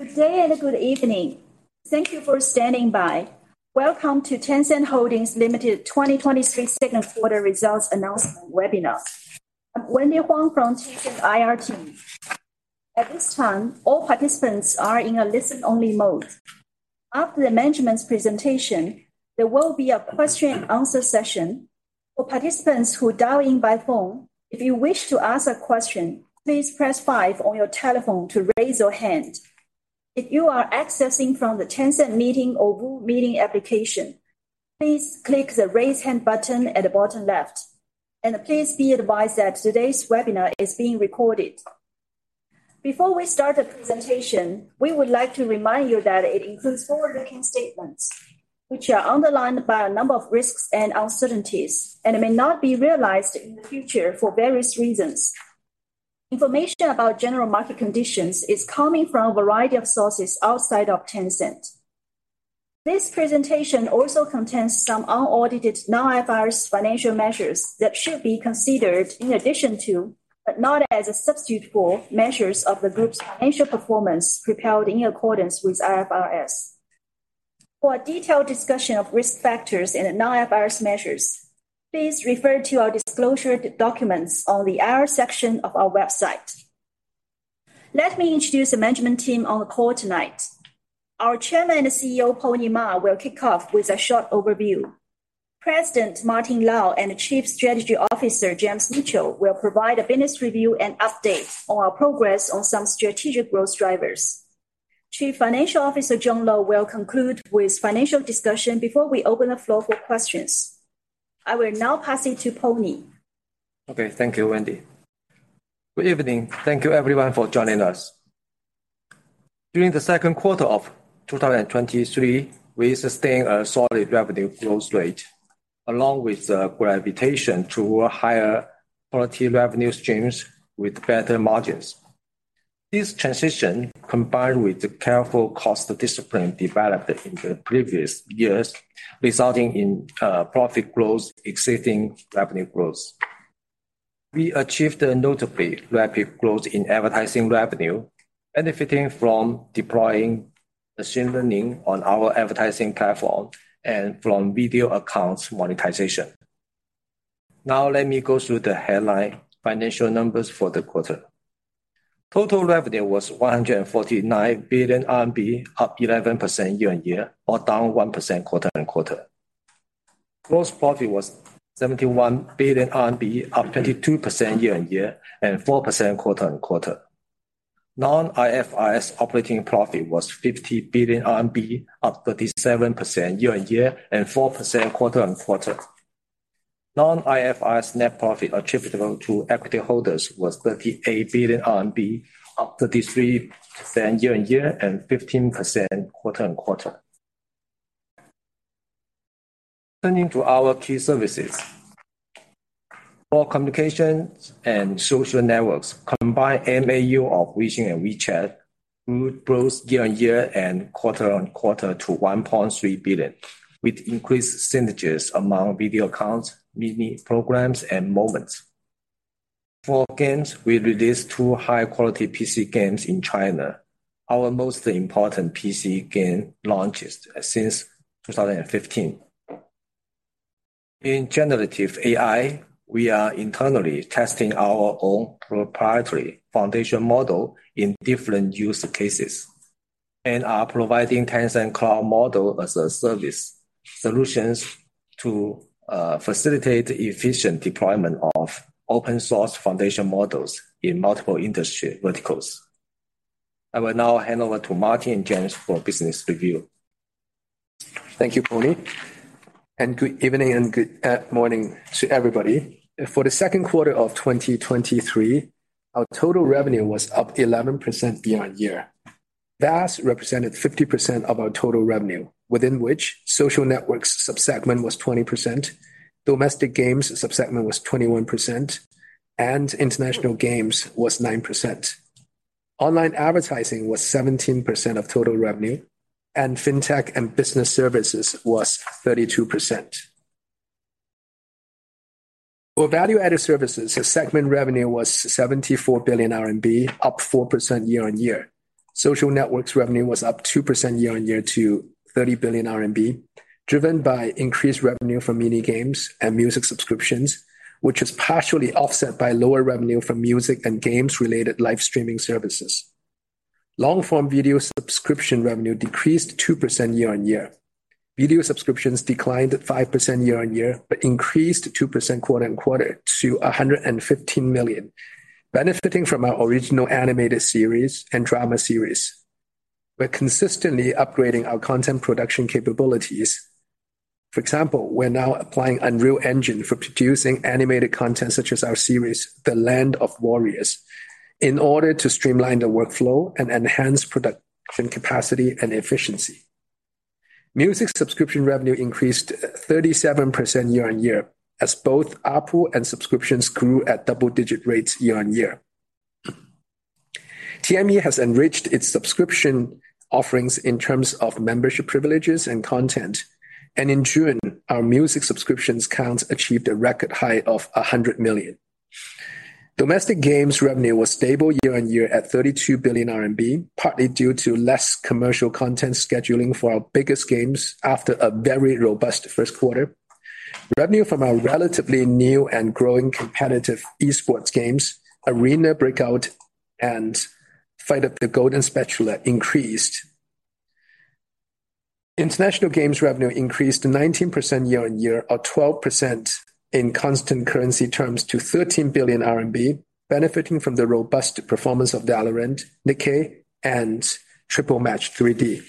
Good day and good evening. Thank you for standing by. Welcome to Tencent Holdings Limited 2023 second quarter results announcement webinar. I'm Wendy Huang from Tencent IR team. At this time, all participants are in a listen-only mode. After the management's presentation, there will be a question and answer session. For participants who dial in by phone, if you wish to ask a question, please press 5 on your telephone to raise your hand. If you are accessing from the Tencent Meeting or VooV Meeting application, please click the Raise Hand button at the bottom left, and please be advised that today's webinar is being recorded. Before we start the presentation, we would like to remind you that it includes forward-looking statements, which are underlined by a number of risks and uncertainties, and may not be realized in the future for various reasons. Information about general market conditions is coming from a variety of sources outside of Tencent. This presentation also contains some unaudited non-IFRS financial measures that should be considered in addition to, but not as a substitute for, measures of the group's financial performance prepared in accordance with IFRS. For a detailed discussion of risk factors and non-IFRS measures, please refer to our disclosure documents on the IR section of our website. Let me introduce the management team on the call tonight. Our Chairman and CEO, Pony Ma, will kick off with a short overview. President Martin Lau and Chief Strategy Officer James Mitchell will provide a business review and update on our progress on some strategic growth drivers. Chief Financial Officer John Lo will conclude with financial discussion before we open the floor for questions. I will now pass it to Pony. Okay, thank you, Wendy. Good evening. Thank you everyone for joining us. During the second quarter of 2023, we sustained a solid revenue growth rate, along with the gravitation to higher quality revenue streams with better margins. This transition, combined with the careful cost discipline developed in the previous years, resulting in profit growth exceeding revenue growth. We achieved a notably rapid growth in advertising revenue, benefiting from deploying machine learning on our advertising platform and from Video Accounts monetization. Let me go through the headline financial numbers for the quarter. Total revenue was 149 billion RMB, up 11% year-on-year, or down 1% quarter-on-quarter. Gross profit was 71 billion RMB, up 22% year-on-year and 4% quarter-on-quarter. Non-IFRS operating profit was 50 billion RMB, up 37% year-on-year and 4% quarter-on-quarter. Non-IFRS net profit attributable to equity holders was 38 billion RMB, up 33% year-on-year and 15% quarter-on-quarter. Turning to our key services. For communications and Social Networks, combined MAU of Weixin and WeChat grew both year-on-year and quarter-on-quarter to 1.3 billion, with increased synergies among Video Accounts, Mini Programs, and Moments. For games, we released 2 high-quality PC games in China, our most important PC game launches since 2015. In generative AI, we are internally testing our own proprietary foundation model in different use cases and are providing Tencent Cloud Model-as-a-Service solutions to facilitate efficient deployment of open-source foundation models in multiple industry verticals. I will now hand over to Martin and James for business review. Thank you, Pony, and good evening and good morning to everybody. For the second quarter of 2023, our total revenue was up 11% year-on-year. VAS represented 50% of our total revenue, within which Social Networks sub-segment was 20%, domestic games sub-segment was 21%, and international games was 9%. Online Advertising was 17% of total revenue, and fintech and business services was 32%. For value-added services, the segment revenue was 74 billion RMB, up 4% year-on-year. Social Networks revenue was up 2% year-on-year to 30 billion RMB, driven by increased revenue from Mini Games and music subscriptions, which was partially offset by lower revenue from music and games-related live streaming services. Long-form video subscription revenue decreased 2% year-on-year. Video subscriptions declined 5% year-on-year, but increased 2% quarter-on-quarter to 115 million, benefiting from our original animated series and drama series. We're consistently upgrading our content production capabilities. For example, we're now applying Unreal Engine for producing animated content, such as our series, The Land of Warriors, in order to streamline the workflow and enhance production capacity and efficiency. Music subscription revenue increased 37% year-on-year, as both ARPU and subscriptions grew at double-digit rates year-on-year. TME has enriched its subscription offerings in terms of membership privileges and content, and in June, our music subscriptions counts achieved a record high of 100 million. Domestic games revenue was stable year-on-year at 32 billion RMB, partly due to less commercial content scheduling for our biggest games after a very robust first quarter. Revenue from our relatively new and growing competitive esports games, Arena Breakout and Fight of the Golden Spatula, increased. International games revenue increased 19% year-on-year, or 12% in constant currency terms to 13 billion RMB, benefiting from the robust performance of Valorant, Nikke, and Triple Match 3D.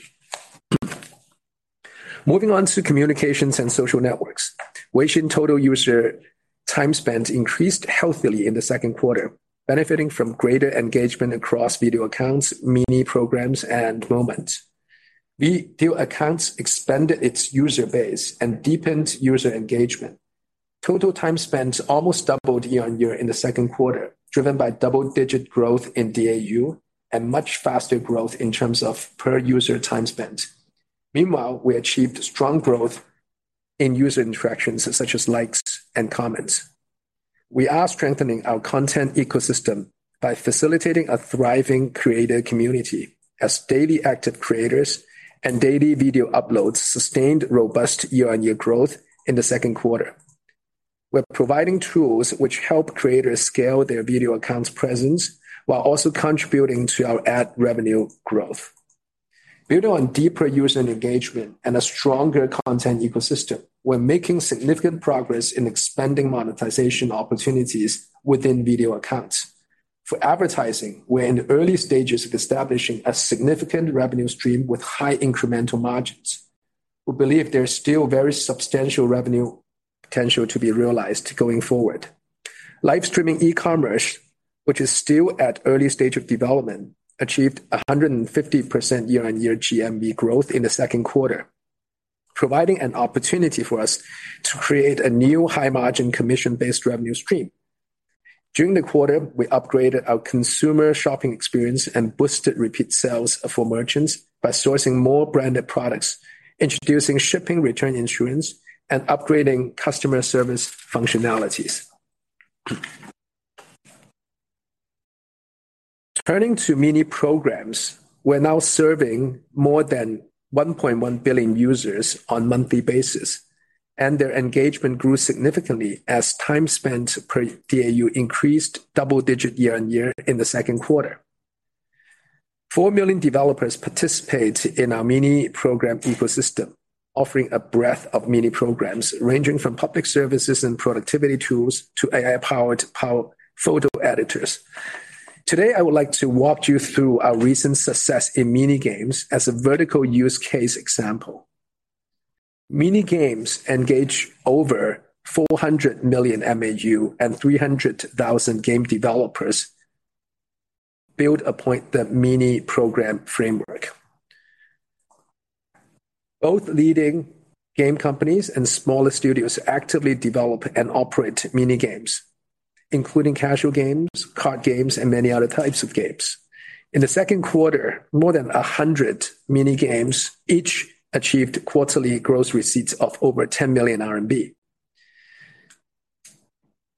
Moving on to communications and Social Networks. Weixin total user time spent increased healthily in the second quarter, benefiting from greater engagement across Video Accounts, Mini Programs, and Moments. Video Accounts expanded its user base and deepened user engagement. Total time spent almost doubled year-on-year in the second quarter, driven by double-digit growth in DAU and much faster growth in terms of per-user time spent. Meanwhile, we achieved strong growth in user interactions, such as likes and comments. We are strengthening our content ecosystem by facilitating a thriving creative community as daily active creators and daily video uploads sustained robust year-on-year growth in the second quarter. We're providing tools which help creators scale their Video Accounts presence, while also contributing to our ad revenue growth. Building on deeper user engagement and a stronger content ecosystem, we're making significant progress in expanding monetization opportunities within Video Accounts. For advertising, we're in the early stages of establishing a significant revenue stream with high incremental margins. We believe there is still very substantial revenue potential to be realized going forward. Live streaming e-commerce, which is still at early stage of development, achieved 150% year-on-year GMV growth in the second quarter, providing an opportunity for us to create a new high-margin commission-based revenue stream. During the quarter, we upgraded our consumer shopping experience and boosted repeat sales for merchants by sourcing more branded products, introducing shipping return insurance, and upgrading customer service functionalities. Turning to Mini Programs, we're now serving more than 1.1 billion users on monthly basis, and their engagement grew significantly as time spent per DAU increased double-digit year-on-year in the second quarter. 4 million developers participate in our Mini Program ecosystem, offering a breadth of Mini Programs, ranging from public services and productivity tools to AI-powered power photo editors. Today, I would like to walk you through our recent success in Mini Games as a vertical use case example. Mini Games engage over 400 million MAU and 300,000 game developers build upon the Mini Program framework. Both leading game companies and smaller studios actively develop and operate Mini Games, including casual games, card games, and many other types of games. In the second quarter, more than 100 Mini Games each achieved quarterly gross receipts of over 10 million RMB.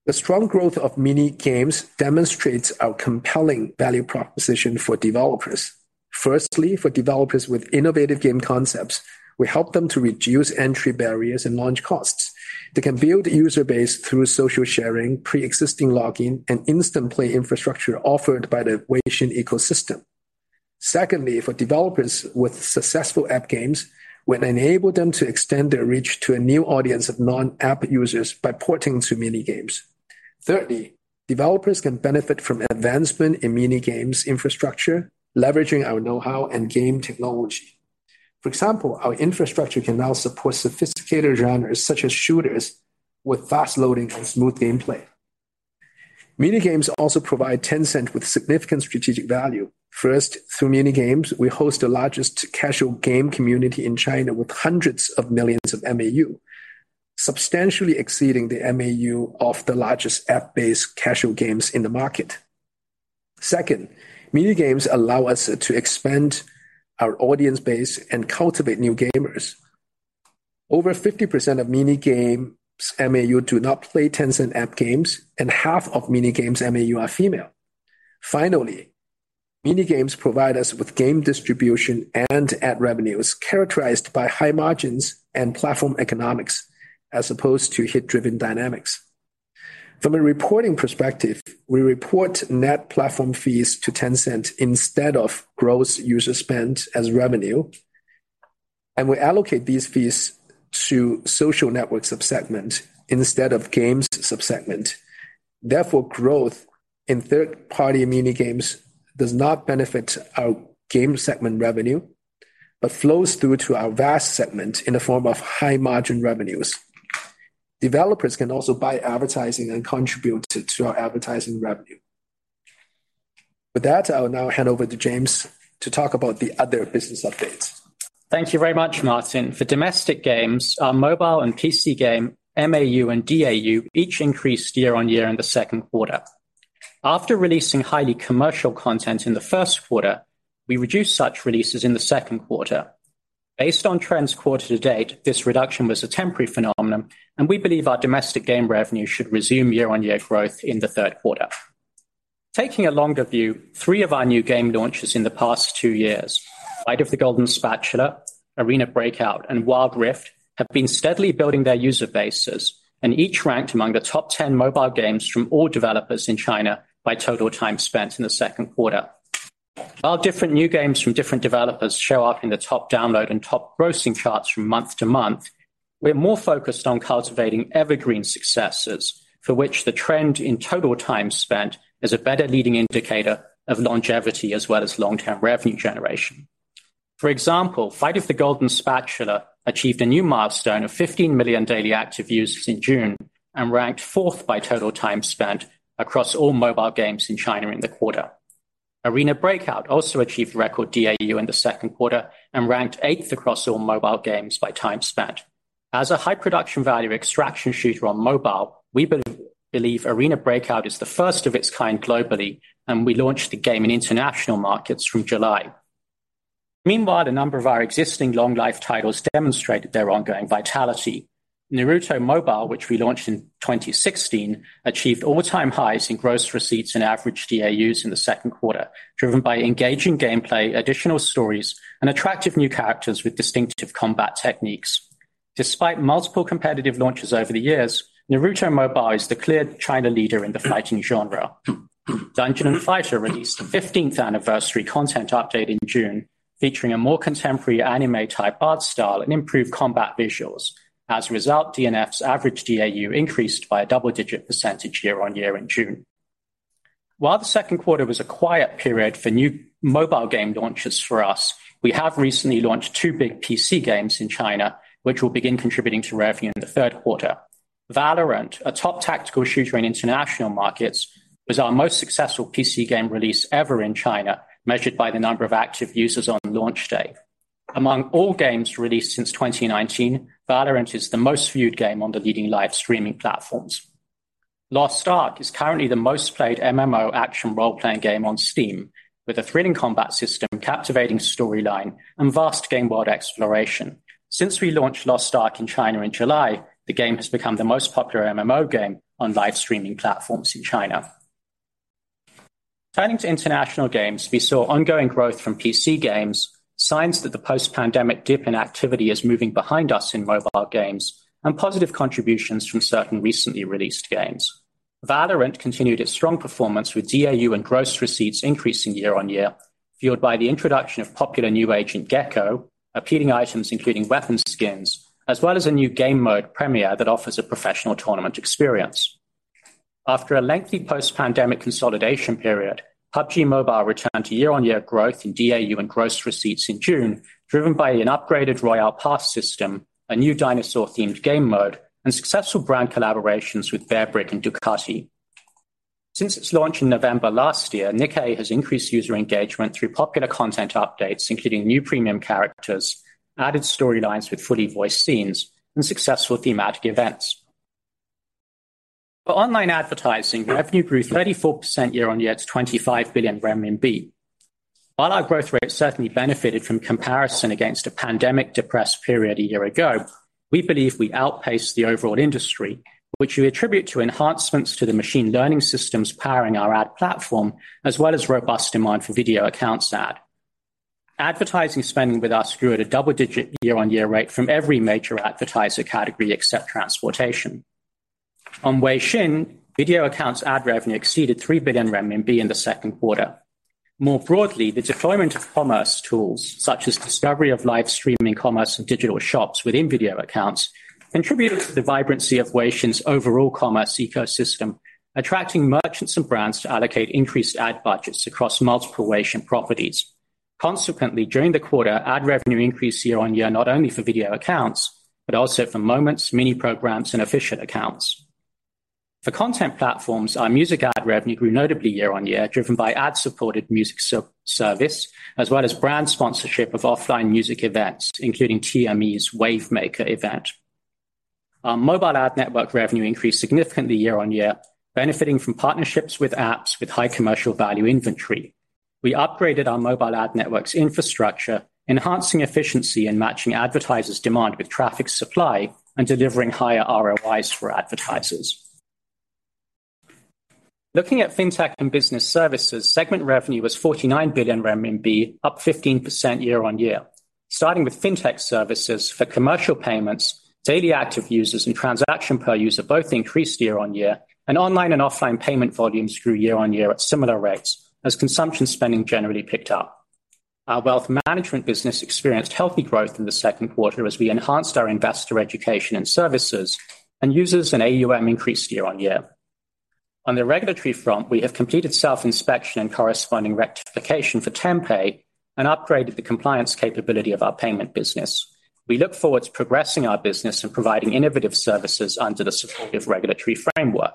The strong growth of Mini Games demonstrates our compelling value proposition for developers. Firstly, for developers with innovative game concepts, we help them to reduce entry barriers and launch costs. They can build user base through social sharing, pre-existing login, and instant play infrastructure offered by the Weixin ecosystem. Secondly, for developers with successful app games, we enable them to extend their reach to a new audience of non-app users by porting to Mini Games. Thirdly, developers can benefit from advancement in Mini Games infrastructure, leveraging our know-how and game technology. For example, our infrastructure can now support sophisticated genres such as shooters with fast loading and smooth gameplay. Mini Games also provide Tencent with significant strategic value. First, through Mini Games, we host the largest casual game community in China with hundreds of millions of MAU, substantially exceeding the MAU of the largest app-based casual games in the market. Second, Mini Games allow us to expand our audience base and cultivate new gamers. Over 50% of Mini Games MAU do not play Tencent app games, and half of Mini Games MAU are female. Finally, Mini Games provide us with game distribution and ad revenues, characterized by high margins and platform economics, as opposed to hit-driven dynamics. From a reporting perspective, we report net platform fees to Tencent instead of gross user spend as revenue, and we allocate these fees to social network subsegment instead of games subsegment. Therefore, growth in third-party Mini Games does not benefit our game segment revenue, but flows through to our VAS segment in the form of high-margin revenues. Developers can also buy advertising and contribute to our advertising revenue. With that, I will now hand over to James to talk about the other business updates. Thank you very much, Martin. For domestic games, our mobile and PC game, MAU, and DAU each increased year-on-year in the second quarter. After releasing highly commercial content in the first quarter, we reduced such releases in the second quarter. Based on trends quarter to date, this reduction was a temporary phenomenon, and we believe our domestic game revenue should resume year-on-year growth in the third quarter. Taking a longer view, three of our new game launches in the past two years, Fight of the Golden Spatula, Arena Breakout, and Wild Rift, have been steadily building their user bases, and each ranked among the top 10 mobile games from all developers in China by total time spent in the second quarter. While different new games from different developers show up in the top download and top grossing charts from month to month, we're more focused on cultivating evergreen successes, for which the trend in total time spent is a better leading indicator of longevity as well as long-term revenue generation. For example, Fight of the Golden Spatula achieved a new milestone of 15 million daily active users in June and ranked fourth by total time spent across all mobile games in China in the quarter. Arena Breakout also achieved record DAU in the second quarter and ranked eighth across all mobile games by time spent. As a high production value extraction shooter on mobile, we believe Arena Breakout is the first of its kind globally, and we launched the game in international markets through July. Meanwhile, a number of our existing long life titles demonstrated their ongoing vitality. Naruto Mobile, which we launched in 2016, achieved all-time highs in gross receipts and average DAUs in the second quarter, driven by engaging gameplay, additional stories, and attractive new characters with distinctive combat techniques. Despite multiple competitive launches over the years, Naruto Mobile is the clear China leader in the fighting genre. Dungeon & Fighter released the 15th anniversary content update in June, featuring a more contemporary anime-type art style and improved combat visuals. As a result, DNF's average DAU increased by a double-digit % year-on-year in June. While the second quarter was a quiet period for new mobile game launches for us, we have recently launched two big PC games in China, which will begin contributing to revenue in the third quarter. Valorant, a top tactical shooter in international markets, was our most successful PC game release ever in China, measured by the number of active users on launch day. Among all games released since 2019, Valorant is the most viewed game on the leading live streaming platforms. Lost Ark is currently the most played MMO action role-playing game on Steam, with a thrilling combat system, captivating storyline, and vast game world exploration. Since we launched Lost Ark in China in July, the game has become the most popular MMO game on live streaming platforms in China. Turning to international games, we saw ongoing growth from PC games, signs that the post-pandemic dip in activity is moving behind us in mobile games, and positive contributions from certain recently released games. Valorant continued its strong performance with DAU and gross receipts increasing year-on-year, fueled by the introduction of popular new agent, Gekko, appealing items, including weapon skins, as well as a new game mode, Premier, that offers a professional tournament experience. After a lengthy post-pandemic consolidation period, PUBG Mobile returned to year-on-year growth in DAU and gross receipts in June, driven by an upgraded Royale Pass system, a new dinosaur-themed game mode, and successful brand collaborations with Bearbrick and Ducati. Since its launch in November last year, Nikke has increased user engagement through popular content updates, including new premium characters, added storylines with fully voiced scenes, and successful thematic events. For Online Advertising, revenue grew 34% year-on-year to 25 billion RMB. While our growth rate certainly benefited from comparison against a pandemic-depressed period a year ago, we believe we outpaced the overall industry, which we attribute to enhancements to the machine learning systems powering our ad platform, as well as robust demand for Video Accounts ad. Advertising spending with us grew at a double-digit year-on-year rate from every major advertiser category except transportation. On Weixin, Video Accounts ad revenue exceeded 3 billion RMB in the second quarter. More broadly, the deployment of commerce tools, such as discovery of live streaming commerce and digital shops within Video Accounts, contributed to the vibrancy of Weixin's overall commerce ecosystem, attracting merchants and brands to allocate increased ad budgets across multiple Weixin properties. Consequently, during the quarter, ad revenue increased year-on-year, not only for Video Accounts, but also for Moments, Mini Programs, and Official Accounts. For content platforms, our music ad revenue grew notably year-on-year, driven by ad-supported music service, as well as brand sponsorship of offline music events, including TME's Wave event. Our mobile ad network revenue increased significantly year-on-year, benefiting from partnerships with apps with high commercial value inventory. We upgraded our mobile ad networks infrastructure, enhancing efficiency and matching advertisers' demand with traffic supply and delivering higher ROIs for advertisers. Looking at Fintech and business services, segment revenue was 49 billion RMB, up 15% year-on-year. Starting with Fintech services, for commercial payments, daily active users and transaction per user both increased year-on-year, online and offline payment volumes grew year-on-year at similar rates as consumption spending generally picked up. Our wealth management business experienced healthy growth in the second quarter as we enhanced our investor education and services, and users in AUM increased year-on-year. On the regulatory front, we have completed self-inspection and corresponding rectification for Tenpay and upgraded the compliance capability of our payment business. We look forward to progressing our business and providing innovative services under the supportive regulatory framework.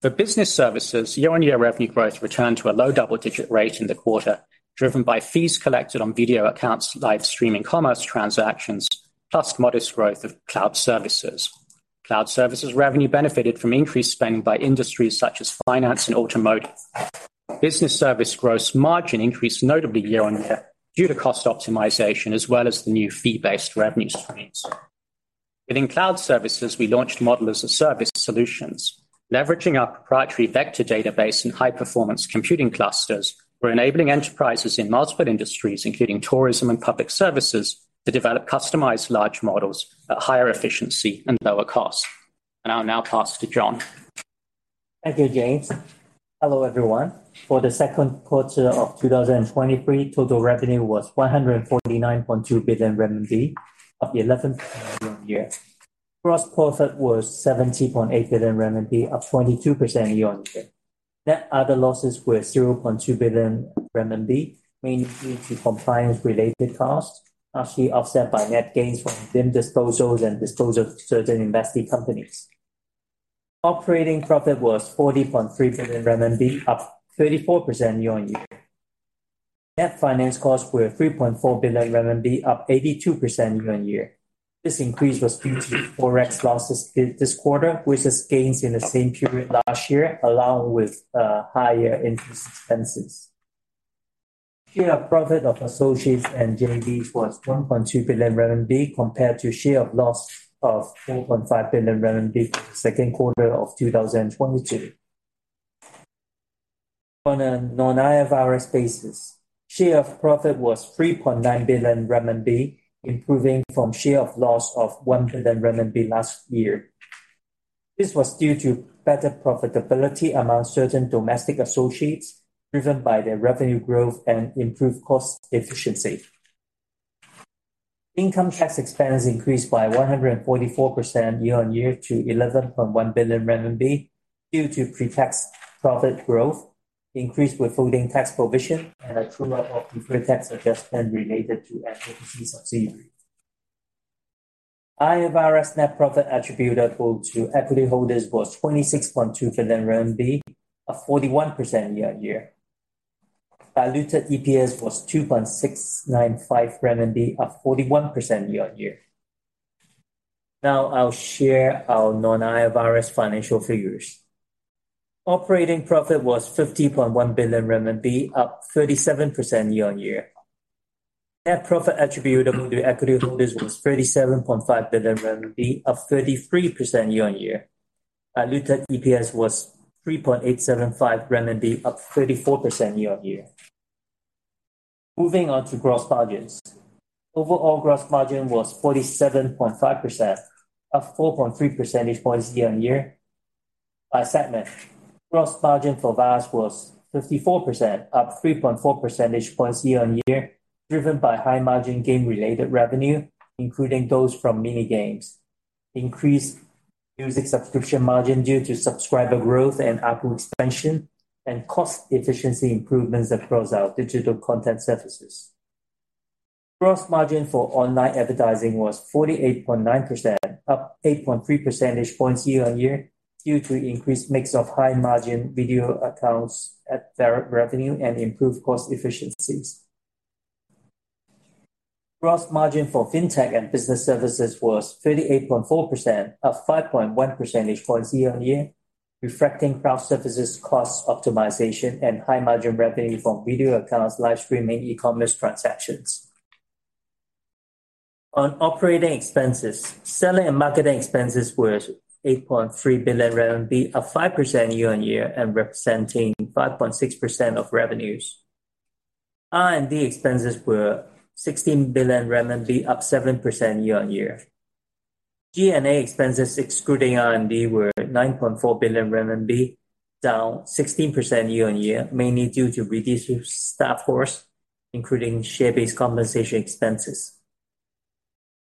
For business services, year-on-year revenue growth returned to a low double-digit rate in the quarter, driven by fees collected on Video Accounts, live streaming commerce transactions, plus modest growth of cloud services. Cloud services revenue benefited from increased spending by industries such as finance and automotive. Business service gross margin increased notably year-on-year due to cost optimization, as well as the new fee-based revenue streams. Within cloud services, we launched Model-as-a-Service solutions, leveraging our proprietary vector database and high-performance computing clusters. We're enabling enterprises in multiple industries, including tourism and public services, to develop customized large models at higher efficiency and lower cost. I'll now pass to John. Thank you, James. Hello, everyone. For the second quarter of 2023, total revenue was 149.2 billion RMB, up 11% year-on-year. Gross profit was 17.8 billion RMB, up 22% year-on-year. Net other losses were 0.2 billion RMB, mainly due to compliance-related costs, partially offset by net gains from deemed disposals and disposal of certain invested companies. Operating profit was 40.3 billion RMB, up 34% year-on-year. Net finance costs were 3.4 billion RMB, up 82% year-on-year. This increase was due to forex losses this quarter, versus gains in the same period last year, along with higher interest expenses. Share of profit of associates and JVs was 1.2 billion RMB, compared to share of loss of 4.5 billion RMB for the second quarter of 2022. On a non-IFRS basis, share of profit was 3.9 billion RMB, improving from share of loss of 1 billion RMB last year. This was due to better profitability among certain domestic associates, driven by their revenue growth and improved cost efficiency. Income tax expense increased by 144% year on year to 11.1 billion RMB, due to pre-tax profit growth, increased withholding tax provision, and a true-up of pre-tax adjustment related to overseas subsidiary. IFRS net profit attributable to equity holders was 26.2 billion RMB, up 41% year on year. Diluted EPS was 2.695 renminbi, up 41% year on year. Now I'll share our non-IFRS financial figures. Operating profit was 50.1 billion RMB, up 37% year-on-year. Net profit attributable to equity holders was 37.5 billion RMB, up 33% year-on-year. Diluted EPS was 3.875 RMB, up 34% year-on-year. Moving on to gross margins. Overall, gross margin was 47.5%, up 4.3 percentage points year-on-year. By segment, gross margin for VAS was 54%, up 3.4 percentage points year-on-year, driven by high-margin game-related revenue, including those from Mini Games; increased music subscription margin due to subscriber growth and ARPU expansion; and cost efficiency improvements across our digital content services. Gross margin for Online Advertising was 48.9%, up 8.3 percentage points year-on-year, due to increased mix of high-margin Video Accounts ad revenue and improved cost efficiencies. Gross margin for fintech and business services was 38.4%, up 5.1 percentage points year-on-year, reflecting cloud services cost optimization and high-margin revenue from Video Accounts, live streaming, e-commerce transactions. On operating expenses, selling and marketing expenses were 8.3 billion RMB, up 5% year-on-year, and representing 5.6% of revenues. R&D expenses were 16 billion renminbi, up 7% year-on-year. G&A expenses, excluding R&D, were 9.4 billion RMB, down 16% year-on-year, mainly due to reduced staff costs, including share-based compensation expenses.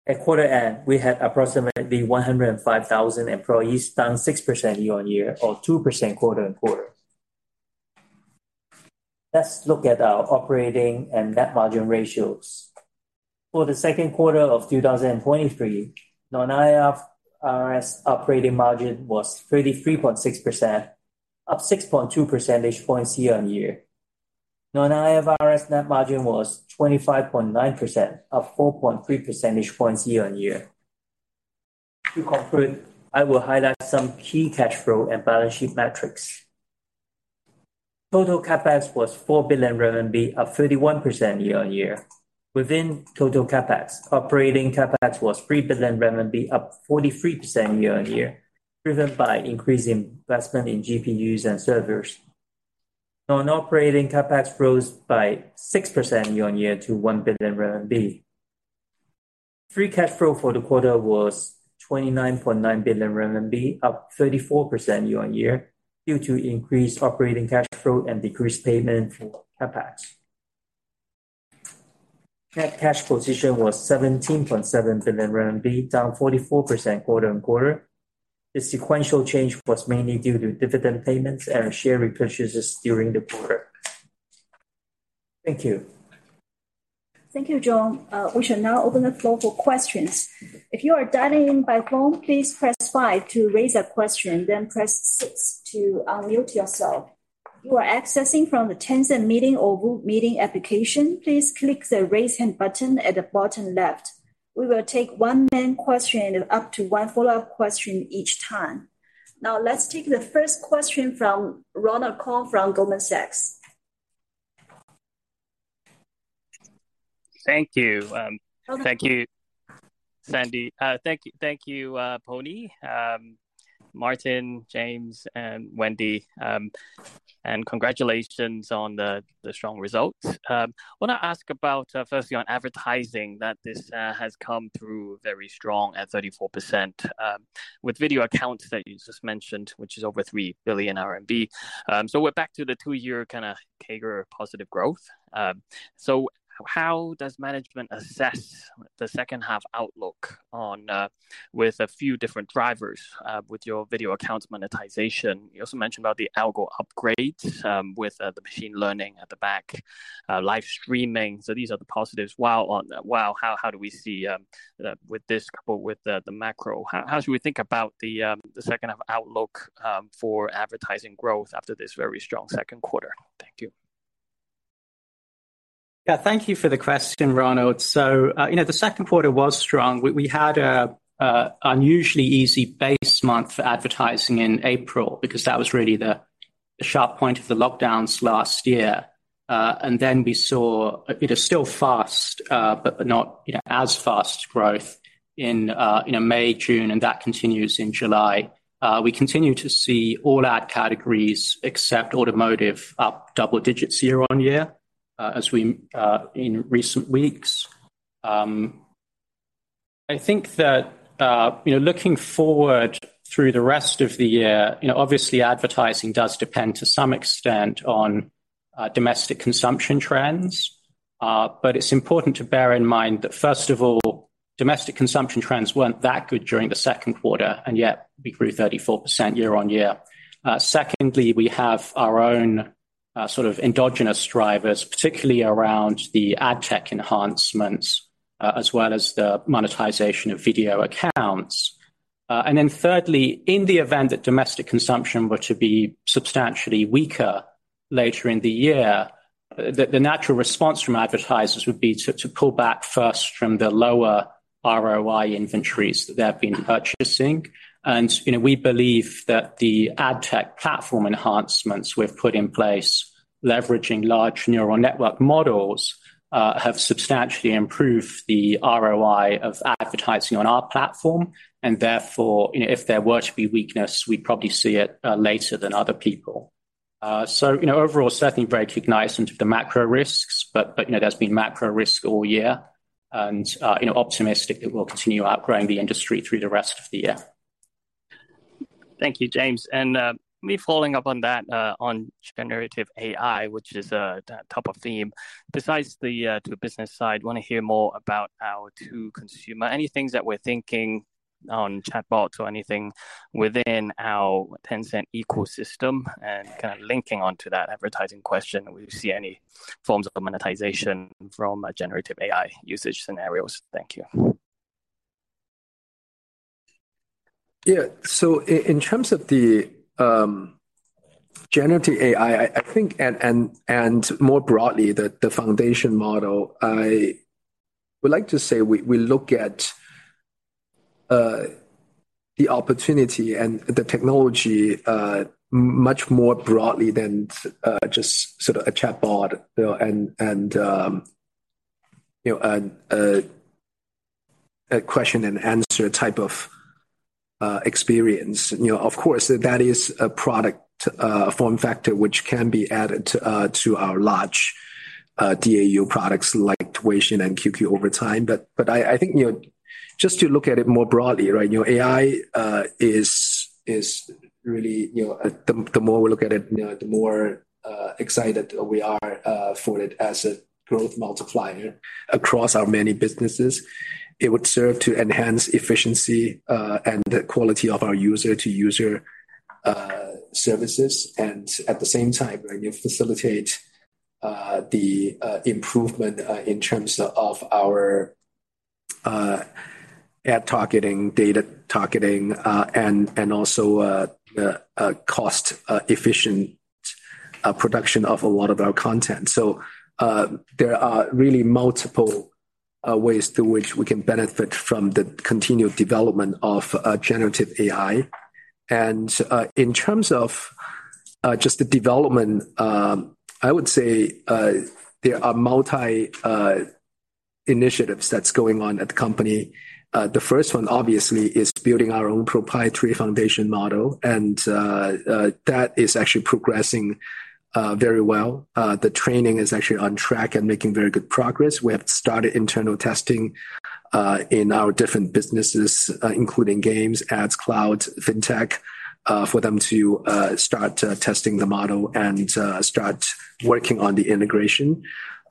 At quarter end, we had approximately 105,000 employees, down 6% year-on-year, or 2% quarter-on-quarter. Let's look at our operating and net margin ratios. For the second quarter of 2023, non-IFRS operating margin was 33.6%, up 6.2 percentage points year-on-year. Non-IFRS net margin was 25.9%, up 4.3 percentage points year-on-year. To conclude, I will highlight some key cash flow and balance sheet metrics. Total CapEx was 4 billion RMB, up 31% year-on-year. Within total CapEx, operating CapEx was 3 billion renminbi, up 43% year-on-year, driven by increased investment in GPUs and servers. Non-operating CapEx rose by 6% year-on-year to 1 billion RMB. Free cash flow for the quarter was 29.9 billion RMB, up 34% year-on-year, due to increased operating cash flow and decreased payment for CapEx. Net cash position was 17.7 billion RMB, down 44% quarter-on-quarter. The sequential change was mainly due to dividend payments and share repurchases during the quarter. Thank you. Thank you, John. We shall now open the floor for questions. If you are dialing in by phone, please press five to raise a question, then press six to unmute yourself. If you are accessing from the Tencent Meeting or VooV Meeting application, please click the Raise Hand button at the bottom left. We will take 1 main question and up to 1 follow-up question each time. Let's take the first question from Ronald Keung from Goldman Sachs. Thank you. Thank you, Wendy. Thank you, thank you, Pony, Martin, James, and Wendy. Congratulations on the strong results. Want to ask about, firstly, on advertising, that this has come through very strong at 34%, with Video Accounts that you just mentioned, which is over 3 billion RMB. We're back to the two-year kind of CAGR positive growth. How does management assess the second half outlook on with a few different drivers, with your Video Accounts monetization? You also mentioned about the algo upgrade, with the machine learning at the back, live streaming. These are the positives, while on-- while how, how do we see with this coupled with the macro? How, how should we think about the, the second half outlook, for advertising growth after this very strong second quarter? Thank you. Yeah, thank you for the question, Ronald. You know, the second quarter was strong. We, we had a, a unusually easy base month for advertising in April, because that was really the, the sharp point of the lockdowns last year. Then we saw a bit of still fast, but, but not, you know, as fast growth in, you know, May, June, and that continues in July. We continue to see all ad categories except automotive up double digits year-on-year, as we in recent weeks. I think that, you know, looking forward through the rest of the year, you know, obviously, advertising does depend to some extent on domestic consumption trends. It's important to bear in mind that, first of all, domestic consumption trends weren't that good during the second quarter, and yet we grew 34% year-on-year. Secondly, we have our own, sort of endogenous drivers, particularly around the ad tech enhancements, as well as the monetization of Video Accounts. Then thirdly, in the event that domestic consumption were to be substantially weaker later in the year, the, the natural response from advertisers would be to, to pull back first from the lower ROI inventories that they've been purchasing. You know, we believe that the ad tech platform enhancements we've put in place, leveraging large neural network models, have substantially improved the ROI of advertising on our platform, and therefore, you know, if there were to be weakness, we'd probably see it later than other people. You know, overall, certainly very cognizant of the macro risks, but, you know, there's been macro risk all year and, you know, optimistic that we'll continue outgrowing the industry through the rest of the year. Thank you, James. Me following up on that, on generative AI, which is the top of theme. To the business side, want to hear more about our to consumer. Any things that we're thinking on chatbots or anything within our Tencent ecosystem, and kind of linking onto that advertising question, we see any forms of monetization from a generative AI usage scenarios? Thank you. Yeah. In terms of the generative AI, I think, and more broadly, the foundation model, I would like to say we look at the opportunity and the technology much more broadly than just sort of a chatbot, you know, and, you know, a question and answer type of experience. You know, of course, that is a product form factor, which can be added to our large DAU products like Kuaishou and QQ over time. I think, you know, just to look at it more broadly, right, you know, AI is really... You know, the more we look at it, you know, the more excited we are for it as a growth multiplier across our many businesses. It would serve to enhance efficiency, and the quality of our user-to-user services, and at the same time, you facilitate the improvement in terms of our ad targeting, data targeting, and also the cost-efficient production of a lot of our content. There are really multiple ways through which we can benefit from the continued development of generative AI. In terms of just the development, I would say, there are multi initiatives that's going on at the company. The first one, obviously, is building our own proprietary foundation model, and that is actually progressing very well. The training is actually on track and making very good progress. We have started internal testing in our different businesses, including games, ads, cloud, fintech, for them to start testing the model and start working on the integration.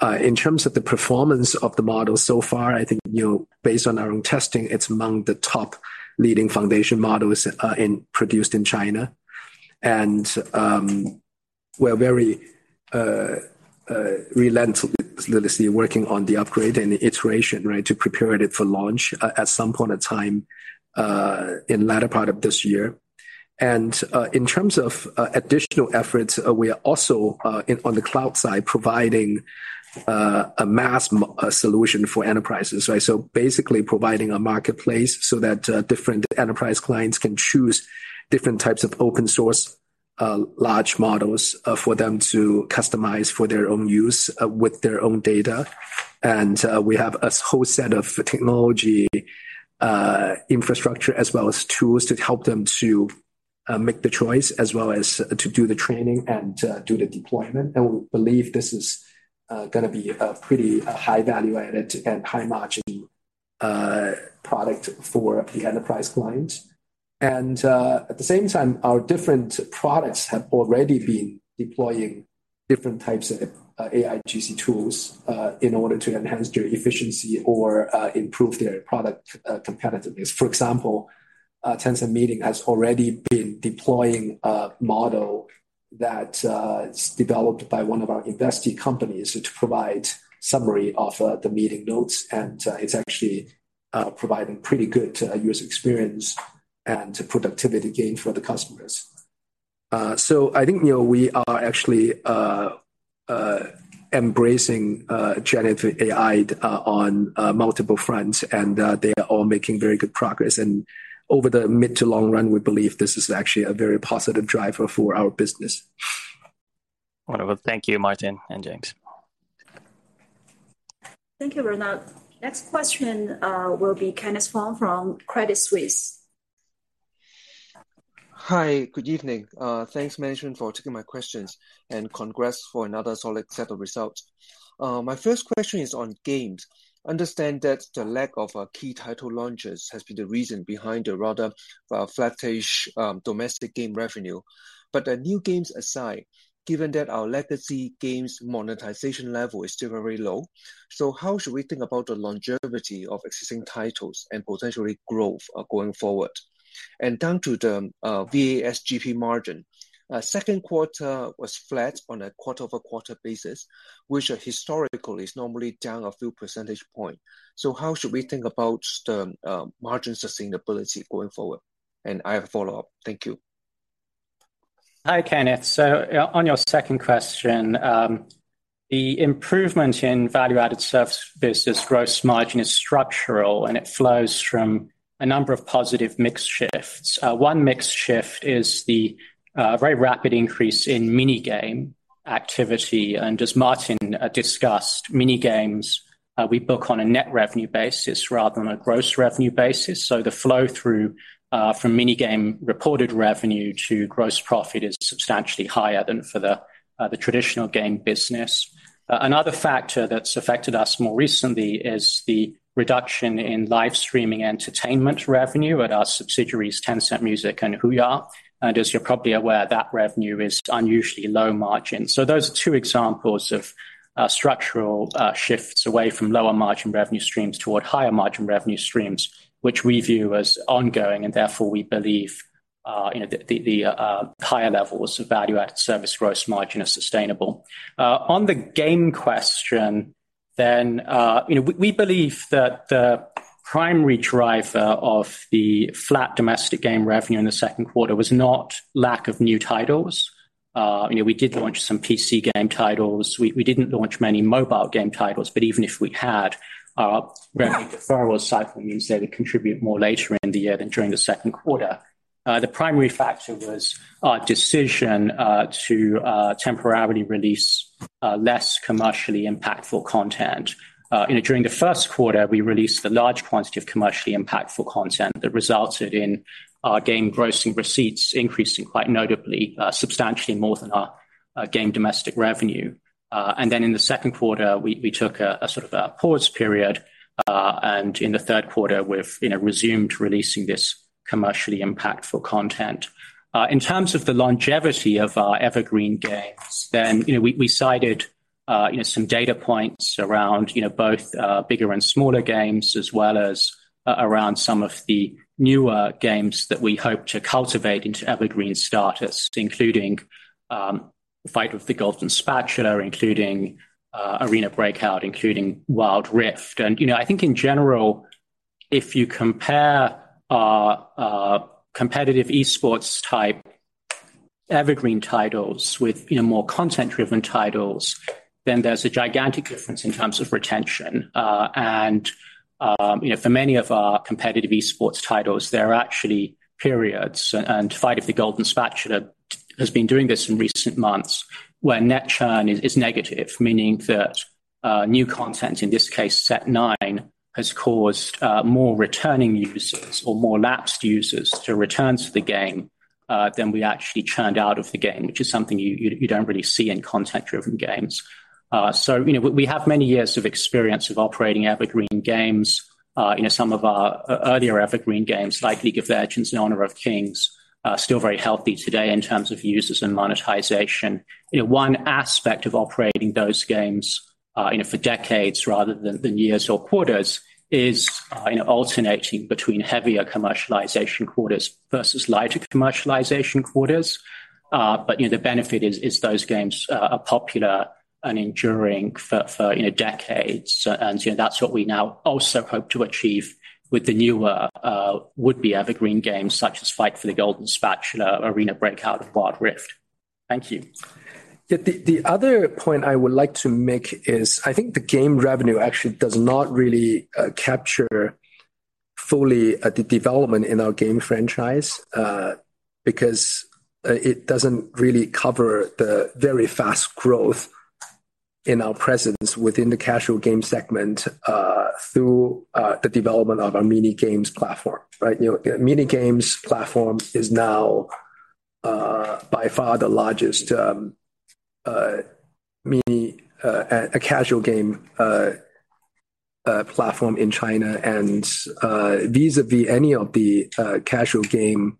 In terms of the performance of the model so far, I think, you know, based on our own testing, it's among the top leading foundation models produced in China. We're very relentlessly working on the upgrade and the iteration, right, to prepare it for launch at some point in time in latter part of this year. In terms of additional efforts, we are also on the cloud side, providing a Model-as-a-Service solution for enterprises, right? Basically providing a marketplace so that different enterprise clients can choose different types of open source large models for them to customize for their own use with their own data. We have a whole set of technology infrastructure, as well as tools to help them to make the choice, as well as to do the training and do the deployment. We believe this is gonna be a pretty high value added and high margin product for the enterprise clients. At the same time, our different products have already been deploying different types of AIGC tools in order to enhance their efficiency or improve their product competitiveness. For example, Tencent Meeting has already been deploying a model that is developed by one of our investing companies to provide summary of the meeting notes, and it's actually providing pretty good user experience and productivity gain for the customers. I think, you know, we are actually embracing generative AI on multiple fronts, and they are all making very good progress. Over the mid to long run, we believe this is actually a very positive driver for our business. Wonderful. Thank you, Martin and James. Thank you, Ronald. Next question, will be Kenneth Fong from Credit Suisse. Hi, good evening. Thanks, management, for taking my questions, and congrats for another solid set of results. My first question is on games. Understand that the lack of key title launches has been the reason behind the rather flattish domestic game revenue. The new games aside, given that our legacy games monetization level is still very low, how should we think about the longevity of existing titles and potentially growth going forward? Down to the VAS GPM, 2Q was flat on a quarter-over-quarter basis, which historically is normally down a few percentage points. How should we think about the margin sustainability going forward? I have a follow-up. Thank you. Hi, Kenneth. On your second question, the improvement in Value-Added Service business gross margin is structural, and it flows from a number of positive mix shifts. One mix shift is the very rapid increase in mini-game activity, and as Martin discussed, mini-games, we book on a net revenue basis rather than a gross revenue basis. The flow through from mini-game reported revenue to gross profit is substantially higher than for the traditional game business. Another factor that's affected us more recently is the reduction in live streaming entertainment revenue at our subsidiaries, Tencent Music and Huya. As you're probably aware, that revenue is unusually low margin. Those are two examples of structural shifts away from lower-margin revenue streams toward higher-margin revenue streams, which we view as ongoing, and therefore, we believe, you know, the higher levels of value-added service gross margin are sustainable. On the game question, then, you know, we, we believe that the primary driver of the flat domestic game revenue in the second quarter was not lack of new titles. You know, we did launch some PC game titles. We, we didn't launch many mobile game titles, but even if we had, we think the firewall cycle means they would contribute more later in the year than during the second quarter. The primary factor was our decision to temporarily release less commercially impactful content. you know, during the first quarter, we released a large quantity of commercially impactful content that resulted in our game grossing receipts increasing quite notably, substantially more than our game domestic revenue. In the second quarter, we, we took a, a sort of a pause period, and in the third quarter, we've, you know, resumed releasing this commercially impactful content. In terms of the longevity of our evergreen games, then, you know, we, we cited, you know, some data points around, you know, both bigger and smaller games, as well as around some of the newer games that we hope to cultivate into evergreen status, including, Fight of the Golden Spatula, including, Arena Breakout, including Wild Rift. You know, I think in general, if you compare our competitive esports-type evergreen titles with, you know, more content-driven titles, then there's a gigantic difference in terms of retention. You know, for many of our competitive esports titles, there are actually periods, and Fight of the Golden Spatula has been doing this in recent months, where net churn is, is negative, meaning that new content, in this case, Set 9, has caused more returning users or more lapsed users to return to the game than we actually churned out of the game, which is something you, you don't really see in content-driven games. You know, we, we have many years of experience of operating evergreen games. You know, some of our earlier evergreen games, like League of Legends and Honor of Kings, are still very healthy today in terms of users and monetization. You know, one aspect of operating those games, you know, for decades rather than, than years or quarters is, you know, alternating between heavier commercialization quarters versus lighter commercialization quarters. But, you know, the benefit is, is those games are and enduring for, for, you know, decades. And, you know, that's what we now also hope to achieve with the newer, would-be evergreen games, such as Battle of the Golden Spatula, Arena Breakout, and Wild Rift. Thank you. The other point I would like to make is, I think the game revenue actually does not really capture fully the development in our game franchise, because it doesn't really cover the very fast growth in our presence within the casual game segment, through the development of our Mini Programs platform, right? You know, Mini Programs platform is now by far the largest casual game platform in China. Vis-a-vis any of the casual game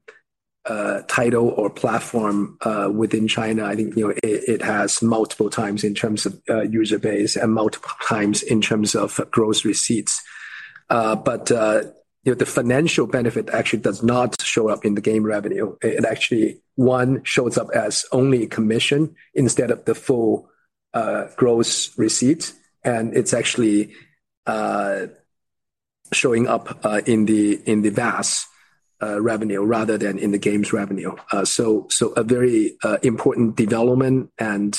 title or platform within China, I think, you know, it has multiple times in terms of user base and multiple times in terms of gross receipts. You know, the financial benefit actually does not show up in the game revenue. It actually, 1, shows up as only commission instead of the full, gross receipt, and it's actually, showing up in the VAS revenue rather than in the games revenue. A very important development and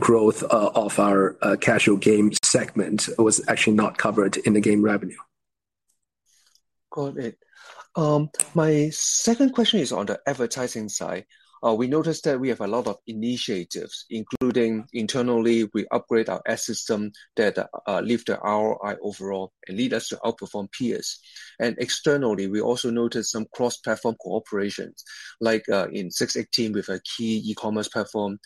growth of our casual game segment was actually not covered in the game revenue. Got it. My second question is on the advertising side. We noticed that we have a lot of initiatives, including internally, we upgrade our ad system that lift our ROI overall and lead us to outperform peers. Externally, we also noticed some cross-platform cooperations, like in 618 with a key e-commerce platform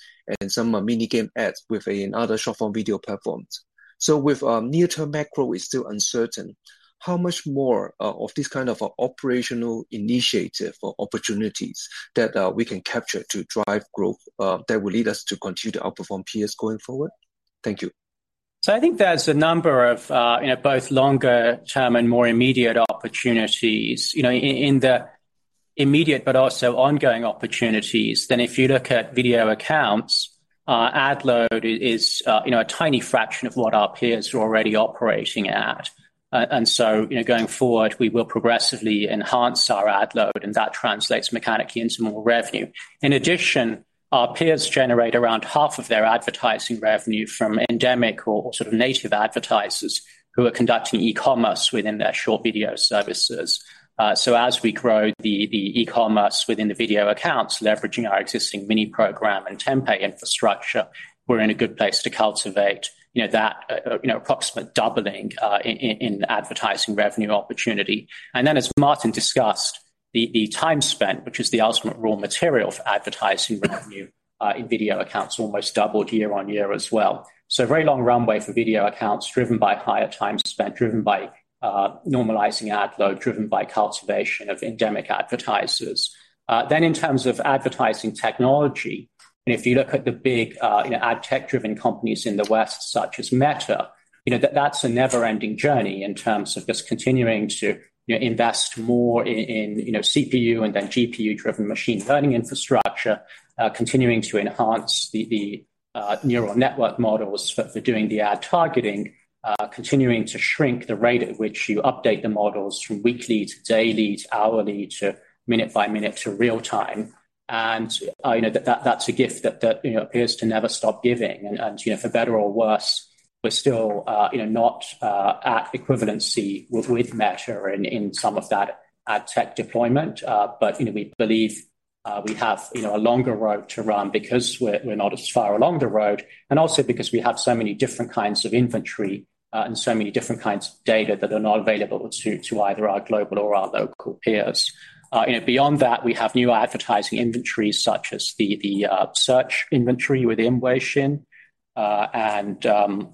and some mini game ads with another short-form video platforms. With near-term macro is still uncertain, how much more of this kind of operational initiative or opportunities that we can capture to drive growth that will lead us to continue to outperform peers going forward? Thank you. I think there's a number of, you know, both longer-term and more immediate opportunities. You know, in the immediate but also ongoing opportunities, if you look at Video Accounts, ad load is, you know, a tiny fraction of what our peers are already operating at. So, you know, going forward, we will progressively enhance our ad load, and that translates mechanically into more revenue. In addition, our peers generate around 50% of their advertising revenue from endemic or sort of native advertisers who are conducting e-commerce within their short video services. So as we grow e-commerce within the Video Accounts, leveraging our existing Mini Programs and Tenpay infrastructure, we're in a good place to cultivate, you know, that, you know, approximate doubling in advertising revenue opportunity. As Martin discussed, the, the time spent, which is the ultimate raw material for advertising revenue, in Video Accounts, almost doubled year on year as well. A very long runway for Video Accounts, driven by higher time spent, driven by, normalizing ad load, driven by cultivation of endemic advertisers. In terms of advertising technology, and if you look at the big, you know, ad tech-driven companies in the West, such as Meta, you know, that's a never-ending journey in terms of just continuing to, you know, invest more in, in, you know, CPU and then GPU-driven machine learning infrastructure. Continuing to enhance the, the, neural network models for, for doing the ad targeting, continuing to shrink the rate at which you update the models from weekly, to daily, to hourly, to minute by minute, to real time. You know, that, that's a gift that, that, you know, appears to never stop giving. And, you know, for better or worse, we're still, you know, not at equivalency with, with Meta in, in some of that ad tech deployment. You know, we believe, we have, you know, a longer road to run because we're, we're not as far along the road, and also because we have so many different kinds of inventory, and so many different kinds of data that are not available to, to either our global or our local peers. You know, beyond that, we have new advertising inventories, such as the, the, search inventory within Weixin. Overall,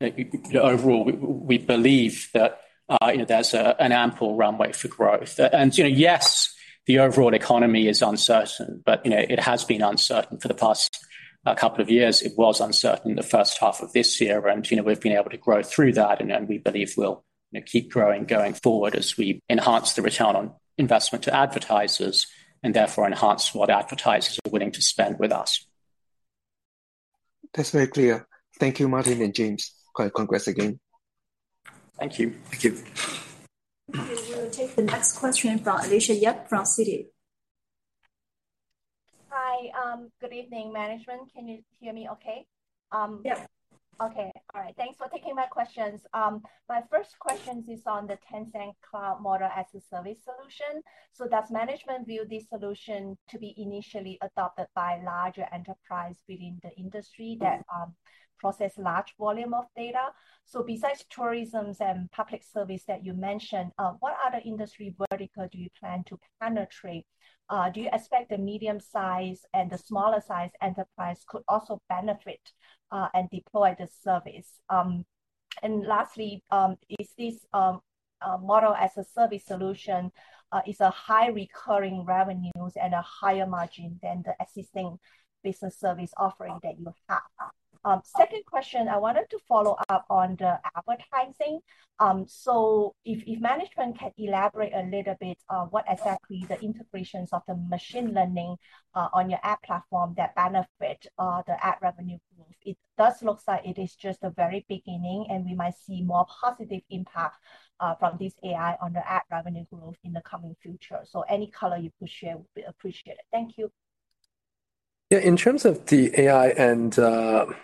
w-we believe that, you know, there's a, an ample runway for growth. You know, yes, the overall economy is uncertain, but, you know, it has been uncertain for the past couple of years. It was uncertain in the first half of this year. You know, we've been able to grow through that, and we believe we'll, you know, keep growing going forward as we enhance the return on investment to advertisers, and therefore enhance what advertisers are willing to spend with us. That's very clear. Thank you, Martin and James. Co- congrats again. Thank you. Thank you. We will take the next question from Alicia Yap from Citi. Hi, good evening, management. Can you hear me okay? Yes. Okay. All right. Thanks for taking my questions. My first question is on the Tencent Cloud Model-as-a-Service solution. Does management view this solution to be initially adopted by larger enterprise within the industry that process large volume of data? Besides tourism and public service that you mentioned, what other industry vertical do you plan to penetrate? Do you expect the medium size and the smaller size enterprise could also benefit and deploy this service? Lastly, is this Model-as-a-Service solution a high recurring revenues and a higher margin than the existing business service offering that you have? Second question, I wanted to follow up on the advertising. If, if management can elaborate a little bit on what exactly the integrations of the machine learning on your ad platform that benefit the ad revenue growth. It does looks like it is just the very beginning, and we might see more positive impact from this AI on the ad revenue growth in the coming future. Any color you could share will be appreciated. Thank you. Yeah, in terms of the AI and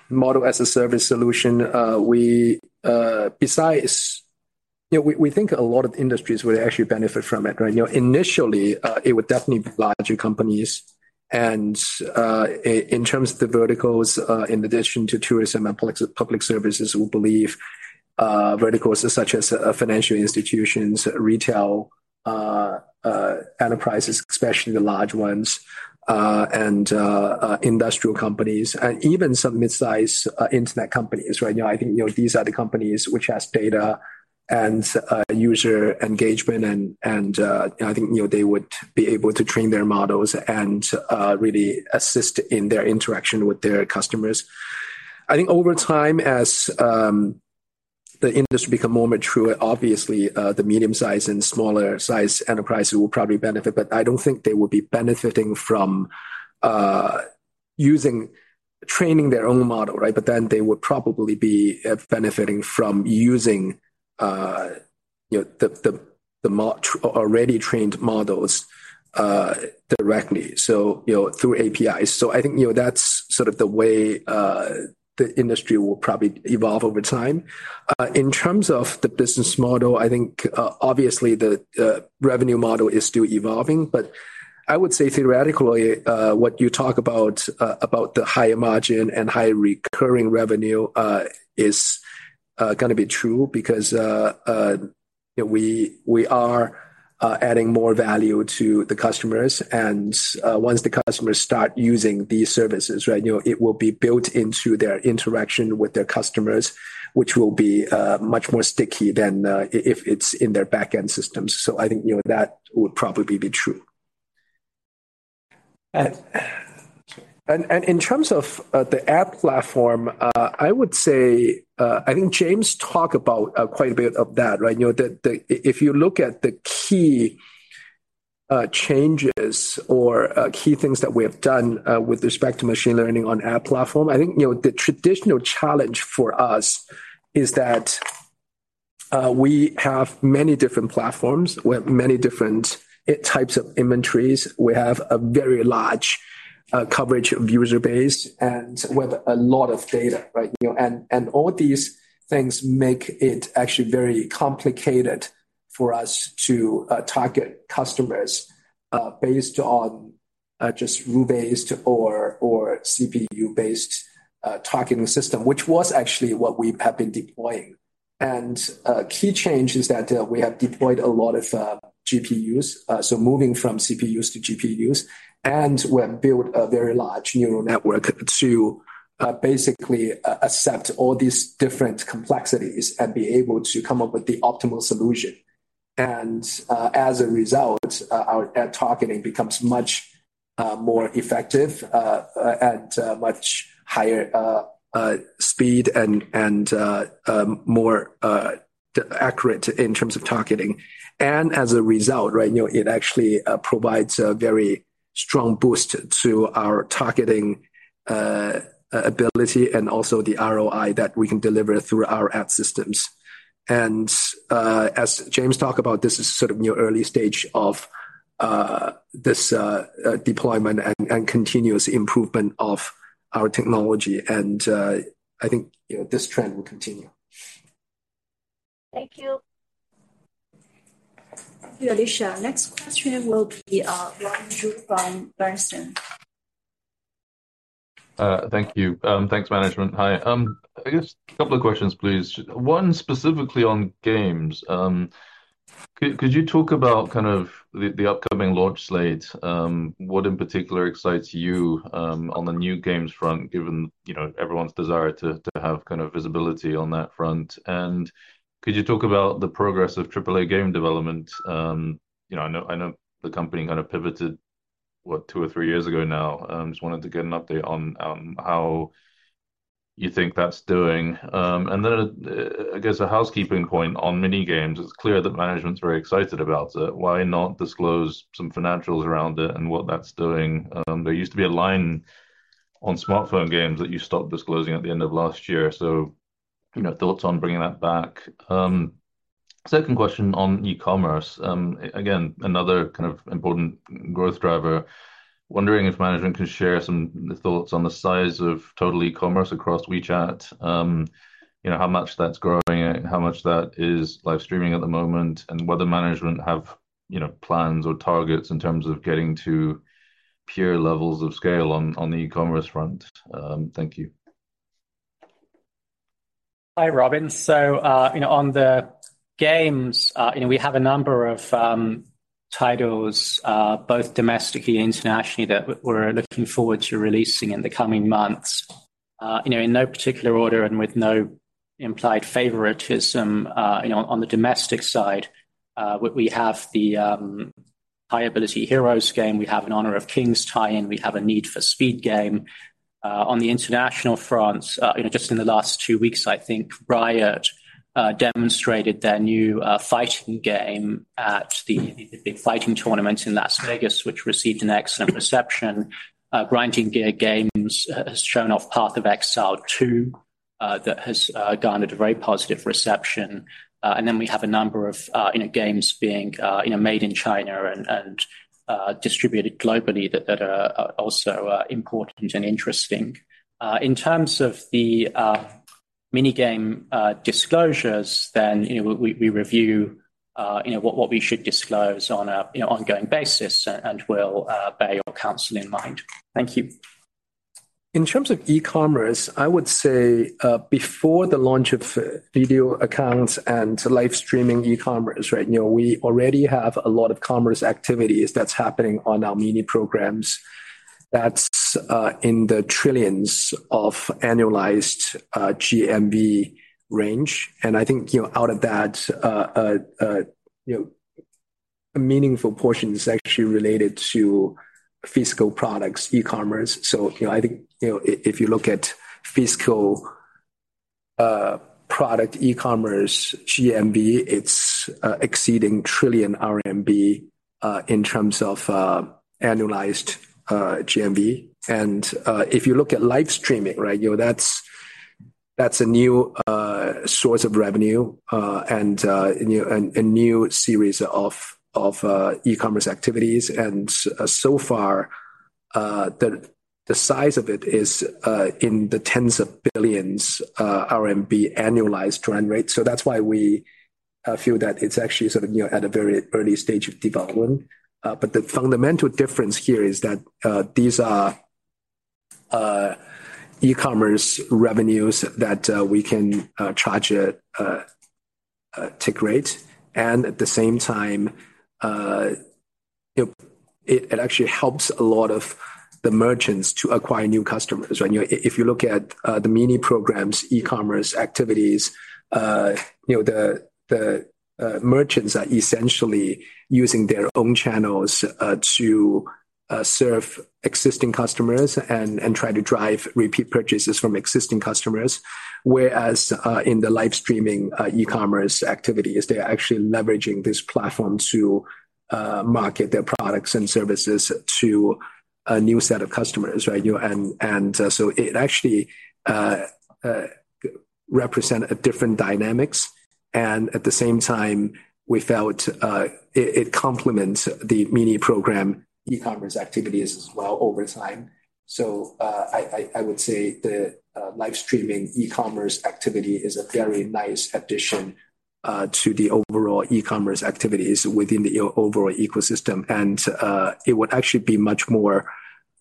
Model-as-a-Service solution, we, you know, we, we think a lot of industries would actually benefit from it, right? You know, initially, it would definitely be larger companies. In terms of the verticals, in addition to tourism and public, public services, we believe verticals such as financial institutions, retail, enterprises, especially the large ones, and industrial companies, and even some mid-size internet companies, right? You know, I think, you know, these are the companies which has data and user engagement, and, I think, you know, they would be able to train their models and really assist in their interaction with their customers. I think over time, as the industry become more mature, obviously, the medium-size and smaller-size enterprises will probably benefit, but I don't think they will be benefiting from using training their own model, right? They would probably be benefiting from using, you know, the, the, the already trained models directly, so, you know, through APIs. That's sort of the way the industry will probably evolve over time. In terms of the business model, I think, obviously, the, the revenue model is still evolving, but I would say theoretically, what you talk about, about the higher margin and higher recurring revenue, is gonna be true because we, we are adding more value to the customers. Once the customers start using these services, right, you know, it will be built into their interaction with their customers, which will be much more sticky than if, if it's in their backend systems. I think, you know, that would probably be true. In terms of the ad platform, I would say, I think James talked about quite a bit of that, right? You know, the, the If you look at the key changes or key things that we have done with respect to machine learning on ad platform, I think, you know, the traditional challenge for us is that we have many different platforms, we have many different types of inventories. We have a very large coverage of user base and with a lot of data, right? You know, and, and all these things make it actually very complicated for us to target customers based on just rule-based or, or CPU-based targeting system, which was actually what we have been deploying. Key change is that we have deployed a lot of GPUs, so moving from CPUs to GPUs, and we have built a very large neural network to basically accept all these different complexities and be able to come up with the optimal solution. As a result, our ad targeting becomes much more effective at much higher speed and, and more accurate in terms of targeting. As a result, right, you know, it actually provides a very strong boost to our targeting ability and also the ROI that we can deliver through our ad systems. As James talked about, this is sort of in your early stage of this deployment and continuous improvement of our technology, and I think, you know, this trend will continue. Thank you. Thank you, Alicia. Next question will be Robin Zhu from Bernstein. Thank you. Thanks, management. Hi, I guess 2 questions, please. 1 specifically on games. Could you talk about the upcoming launch slate? What in particular excites you on the new games front, given, you know, everyone's desire to have visibility on that front? Could you talk about the progress of AAA game development? You know, I know the company pivoted, what, 2 or 3 years ago now. Just wanted to get an update on how you think that's doing. Then, I guess, 1 housekeeping point on Mini Games. It's clear that management's very excited about it. Why not disclose some financials around it and what that's doing? There used to be a line on smartphone games that you stopped disclosing at the end of last year. You know, thoughts on bringing that back. Second question on e-commerce. Again, another kind of important growth driver. Wondering if management can share some thoughts on the size of total e-commerce across WeChat? You know, how much that's growing and how much that is live streaming at the moment, and whether management have, you know, plans or targets in terms of getting to peer levels of scale on, on the e-commerce front. Thank you. Hi, Robin. You know, on the games, you know, we have a number of titles, both domestically and internationally, that we're looking forward to releasing in the coming months. You know, in no particular order and with no implied favoritism, you know, on the domestic side, we, we have the. High Energy Heroes game. We have an Honor of Kings tie-in. We have a Need for Speed game. On the international fronts, you know, just in the last 2 weeks, I think Riot demonstrated their new fighting game at the big fighting tournament in Las Vegas, which received an excellent reception. Grinding Gear Games has, has shown off Path of Exile 2 that has garnered a very positive reception. We have a number of, you know, games being, you know, made in China and, and distributed globally that, that are, are also important and interesting. In terms of the mini game disclosures, then, you know, we review, you know, what, what we should disclose on a, you know, ongoing basis, and, and we'll bear your counsel in mind. Thank you. In terms of e-commerce, I would say, before the launch of Video Accounts and live streaming e-commerce, right, you know, we already have a lot of commerce activities that's happening on our Mini Programs. That's in the trillions of annualized GMV range. I think, you know, out of that, you know, a meaningful portion is actually related to physical products, e-commerce. You know, if you look at physical product, e-commerce GMV, it's exceeding 1 trillion RMB in terms of annualized GMV. If you look at live streaming, right, you know, that's, that's a new source of revenue and a new series of e-commerce activities. So far, the size of it is in the tens of billions RMB annualized run rate. That's why we feel that it's actually sort of, you know, at a very early stage of development. The fundamental difference here is that these are e-commerce revenues that we can charge a take rate, and at the same time, it actually helps a lot of the merchants to acquire new customers, right? If you look at the Mini Programs, e-commerce activities, you know, the merchants are essentially using their own channels to serve existing customers and try to drive repeat purchases from existing customers. Whereas, in the live streaming, e-commerce activities, they're actually leveraging this platform to market their products and services to a new set of customers, right? You know, and, and, so it actually represent a different dynamics, and at the same time, we felt, it, it complements the Mini Programs e-commerce activities as well over time. I, I, I would say the live streaming e-commerce activity is a very nice addition to the overall e-commerce activities within the overall ecosystem. It would actually be much more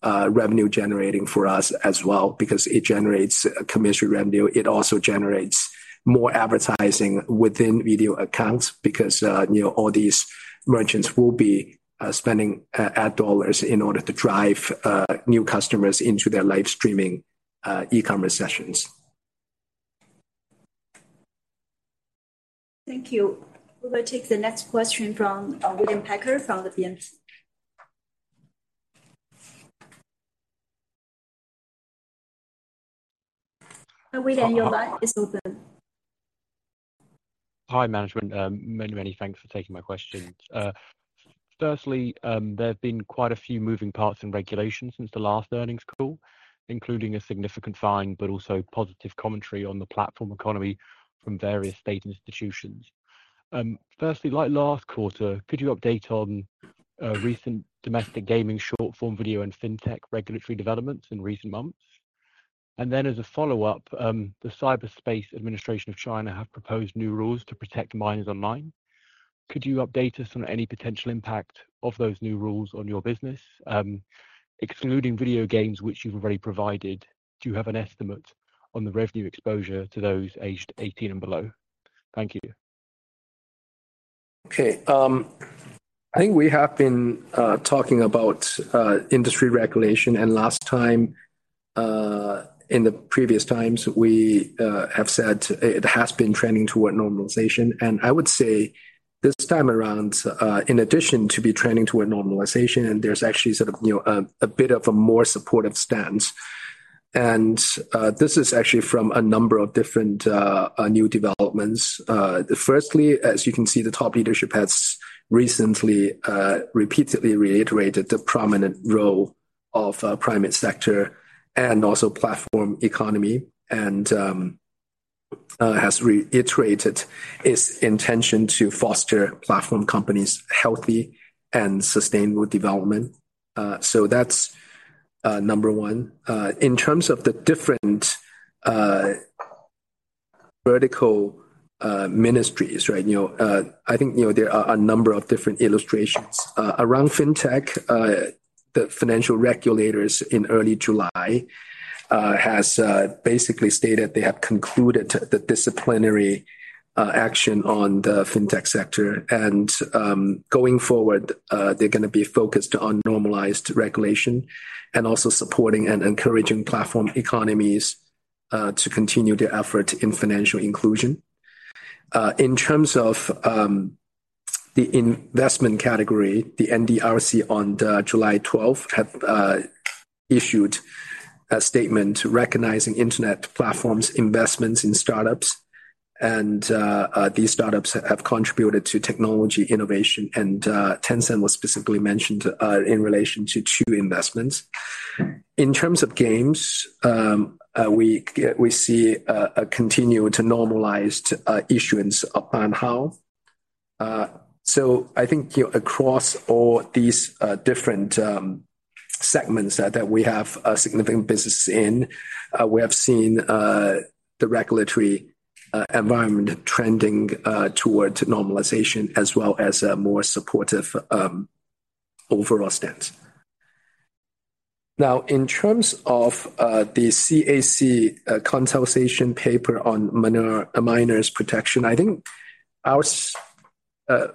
revenue generating for us as well because it generates commission revenue. It also generates more advertising within Video Accounts because, you know, all these merchants will be spending a-ad dollars in order to drive new customers into their live streaming, e-commerce sessions. Thank you. We will take the next question from William Packer, from the BMO. William, your line is open. Hi, management. Many, many thanks for taking my questions. Firstly, there have been quite a few moving parts in regulation since the last earnings call, including a significant fine, but also positive commentary on the platform economy from various state institutions. Firstly, like last quarter, could you update on recent domestic gaming, short-form video, and fintech regulatory developments in recent months? As a follow-up, the Cyberspace Administration of China have proposed new rules to protect minors online. Could you update us on any potential impact of those new rules on your business? Excluding video games, which you've already provided, do you have an estimate on the revenue exposure to those aged 18 and below? Thank you. Okay, I think we have been talking about industry regulation. Last time, in the previous times, we have said it has been trending toward normalization. I would say this time around, in addition to be trending toward normalization, there's actually sort of, you know, a bit of a more supportive stance. This is actually from a number of different new developments. Firstly, as you can see, the top leadership has recently repeatedly reiterated the prominent role of private sector and also platform economy, and has reiterated its intention to foster platform companies' healthy and sustainable development. So that's number one. In terms of the different vertical ministries, right, you know, I think, you know, there are a number of different illustrations. Around fintech, the financial regulators in early July has basically stated they have concluded the disciplinary action on the fintech sector. Going forward, they're gonna be focused on normalized regulation and also supporting and encouraging platform economies. to continue their effort in financial inclusion. In terms of the investment category, the NDRC on July 12th have issued a statement recognizing internet platforms investments in startups. These startups have contributed to technology innovation, and Tencent was specifically mentioned in relation to two investments. In terms of games, we see a continued normalized issuance banhao. I think, you know, across all these different segments that we have a significant business in, we have seen the regulatory environment trending towards normalization as well as a more supportive overall stance. Now, in terms of the CAC consultation paper on minors protection, I think our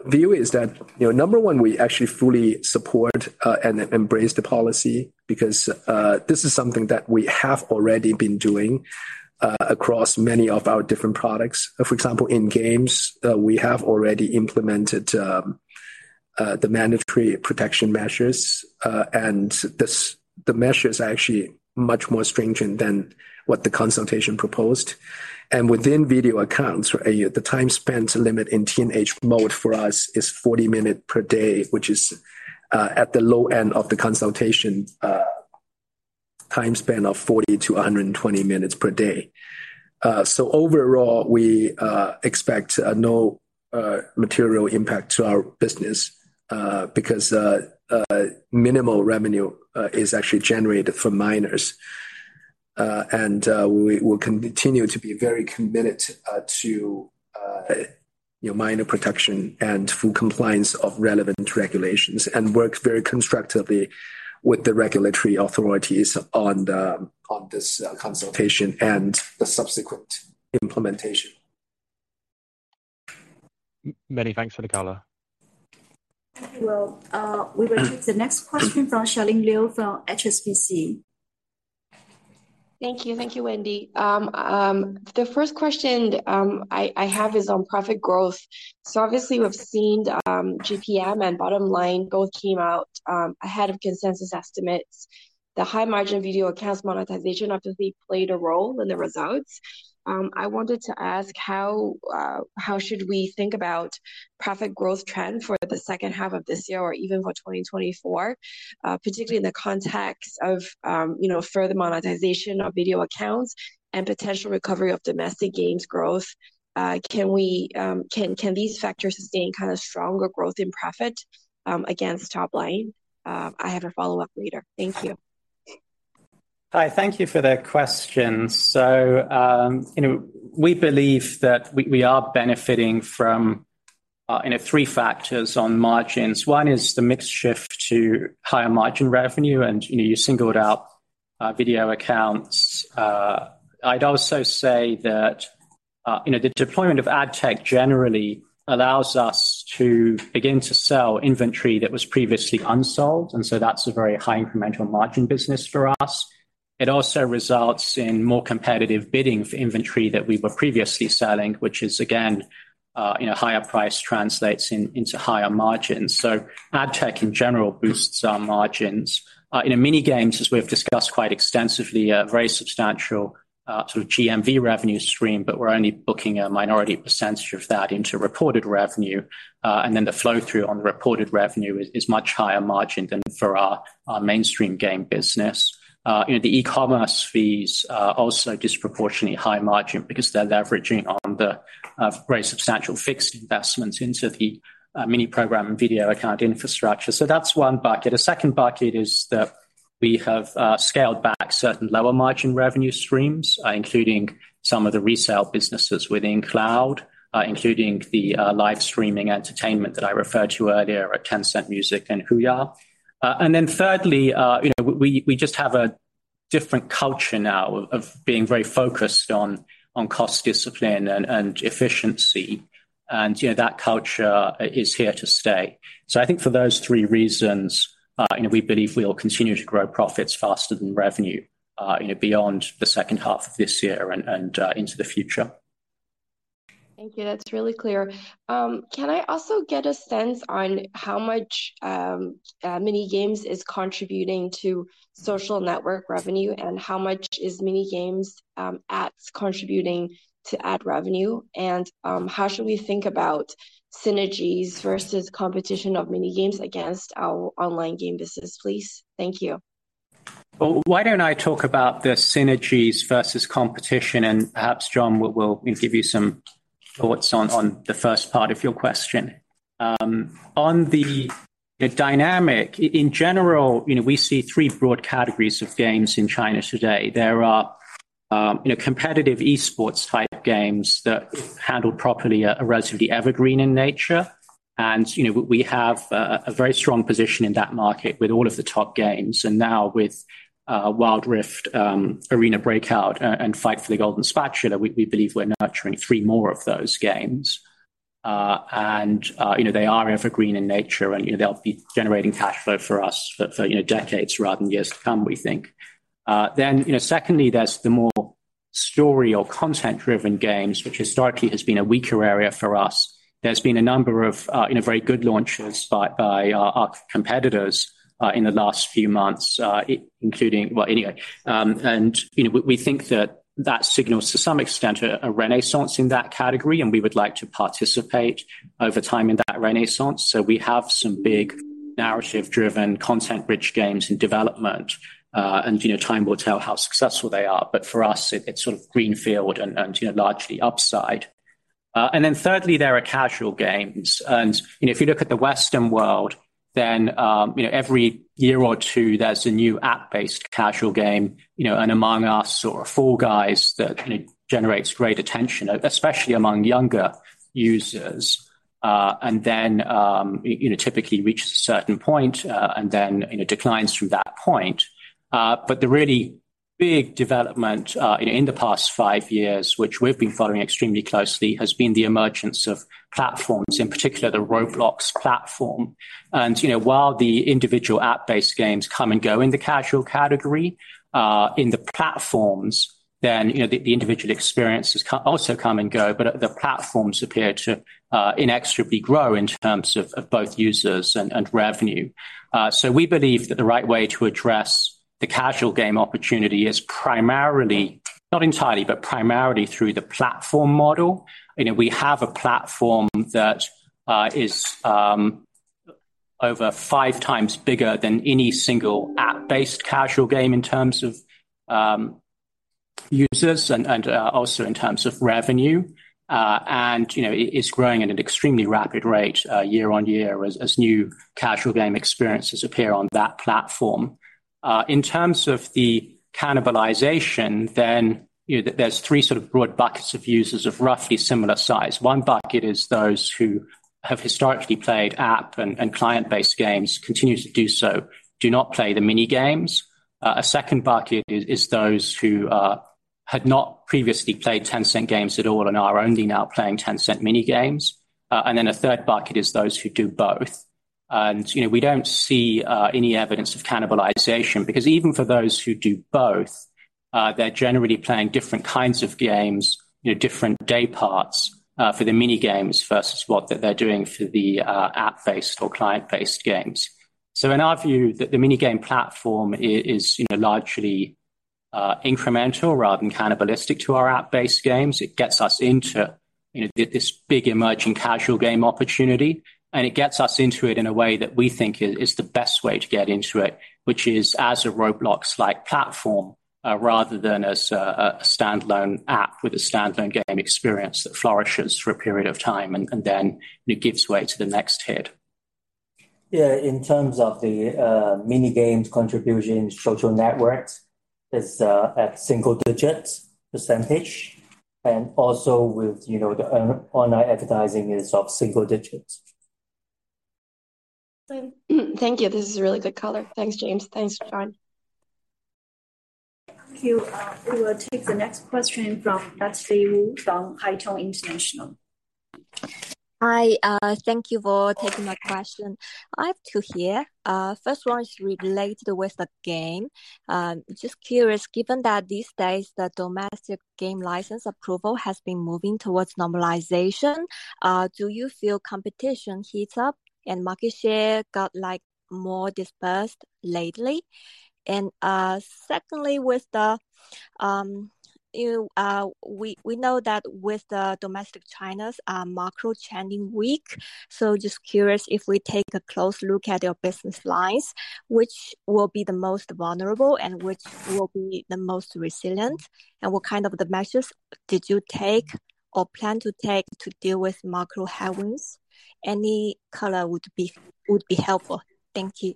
view is that, you know, number one, we actually fully support and embrace the policy because this is something that we have already been doing across many of our different products. For example, in games, we have already implemented the mandatory protection measures, and the measure is actually much more stringent than what the consultation proposed. Within Video Accounts, right, the time spent limit in teenage mode for us is 40 minutes per day, which is at the low end of the consultation time span of 40-120 minutes per day. Overall, we expect no material impact to our business because minimal revenue is actually generated from minors. We will continue to be very committed to your minor protection and full compliance of relevant regulations, and work very constructively with the regulatory authorities on this consultation and the subsequent implementation. Many thanks for the color. Thank you, Will. We will take the next question from Charlene Liu from HSBC. Thank you. Thank you, Wendy. The first question I have is on profit growth. Obviously, we've seen GPM and bottom line both came out ahead of consensus estimates. The high-margin Video Accounts monetization obviously played a role in the results. I wanted to ask: how should we think about profit growth trend for the second half of this year or even for 2024, particularly in the context of, you know, further monetization of Video Accounts and potential recovery of domestic games growth? Can we, can these factors sustain kind of stronger growth in profit against top line? I have a follow-up later. Thank you. Hi, thank you for the question. You know, we believe that we, we are benefiting from, you know, three factors on margins. One is the mix shift to higher-margin revenue, and, you know, you singled out, Video Accounts. I'd also say that, you know, the deployment of ad tech generally allows us to begin to sell inventory that was previously unsold, and so that's a very high incremental margin business for us. It also results in more competitive bidding for inventory that we were previously selling, which is again, you know, higher price translates into higher margins. Ad tech, in general, boosts our margins. In Mini Games, as we've discussed quite extensively, a very substantial, sort of GMV revenue stream, but we're only booking a minority percentage of that into reported revenue. The flow-through on the reported revenue is, is much higher margin than for our, our mainstream game business. You know, the e-commerce fees are also disproportionately high margin because they're leveraging on the very substantial fixed investments into the Mini Program and Video Account infrastructure. That's one bucket. A second bucket is that we have scaled back certain lower-margin revenue streams, including some of the resale businesses within cloud, including the live streaming entertainment that I referred to earlier at Tencent Music and Huya. Thirdly, you know, we, we, we just have a different culture now of, of being very focused on, on cost discipline and, and efficiency. You know, that culture is here to stay. I think for those three reasons, you know, we believe we'll continue to grow profits faster than revenue, you know, beyond the second half of this year and, and, into the future. Thank you. That's really clear. Can I also get a sense on how much Mini Games is contributing to social network revenue, and how much is Mini Games ads contributing to ad revenue? How should we think about synergies versus competition of Mini Games against our online game business, please? Thank you. Well, why don't I talk about the synergies versus competition, and perhaps John will, will give you some thoughts on, on the first part of your question. On the, the dynamic, in general, you know, we see three broad categories of games in China today. There are, you know, competitive esports type games that, handled properly, are relatively evergreen in nature. You know, we, we have a, a very strong position in that market with all of the top games, and now with Wild Rift, Arena Breakout, and Battle of the Golden Spatula, we, we believe we're nurturing three more of those games. you know, they are evergreen in nature, and, you know, they'll be generating cash flow for us for, for, you know, decades rather than years to come, we think. You know, secondly, there's the more story or content-driven games, which historically has been a weaker area for us. There's been a number of, you know, very good launches by, by our competitors, you know, we, we think that that signals, to some extent, a, a renaissance in that category, and we would like to participate over time in that renaissance. We have some big narrative-driven, content-rich games in development. You know, time will tell how successful they are. For us, it, it's sort of greenfield and, and, you know, largely upside. Then thirdly, there are casual games. You know, if you look at the Western world, then, you know, every year or two, there's a new app-based casual game, you know, an Among Us or a Fall Guys, that, you know, generates great attention, especially among younger users. Then, you, you know, typically reaches a certain point, and then, you know, declines through that point. The really big development, in the past five years, which we've been following extremely closely, has been the emergence of platforms, in particular the Roblox platform. You know, while the individual app-based games come and go in the casual category, in the platforms, then, you know, the, the individual experiences also come and go, but the platforms appear to inexorably grow in terms of, of both users and, and revenue. We believe that the right way to address the casual game opportunity is primarily, not entirely, but primarily through the platform model. You know, we have a platform that is over 5 times bigger than any single app-based casual game in terms of users and, and also in terms of revenue. You know, it, it's growing at an extremely rapid rate year-on-year as new casual game experiences appear on that platform. In terms of the cannibalization, then, you know, there's 3 sort of broad buckets of users of roughly similar size. One bucket is those who have historically played app and, and client-based games, continue to do so, do not play the mini-games. A second bucket is, is those who had not previously played Tencent games at all and are only now playing Tencent mini-games. Then a third bucket is those who do both. You know, we don't see any evidence of cannibalization, because even for those who do both, they're generally playing different kinds of games, you know, different day parts, for the mini-games versus what they're doing for the app-based or client-based games. In our view, the mini-game platform is, you know, largely incremental rather than cannibalistic to our app-based games. It gets us into, you know, this big emerging casual game opportunity, and it gets us into it in a way that we think is, is the best way to get into it, which is as a Roblox-like platform, rather than as a standalone app with a standalone game experience that flourishes for a period of time and, then it gives way to the next hit. Yeah, in terms of the mini-games contribution, Social Networks is at single-digit %, and also with, you know, the Online Advertising is of single digits. Thank you. This is a really good color. Thanks, James. Thanks, John. Thank you. We will take the next question from Lexie Wu from Haitong International. Hi, thank you for taking my question. I have two here. First one is related with the game. Just curious, given that these days, the domestic game license approval has been moving towards normalization, do you feel competition heats up and market share got, like, more dispersed lately? Secondly, with the, you know, we, we know that with the domestic China's macro trending weak, so just curious, if we take a close look at your business lines, which will be the most vulnerable and which will be the most resilient? What kind of the measures did you take or plan to take to deal with macro headwinds? Any color would be, would be helpful. Thank you.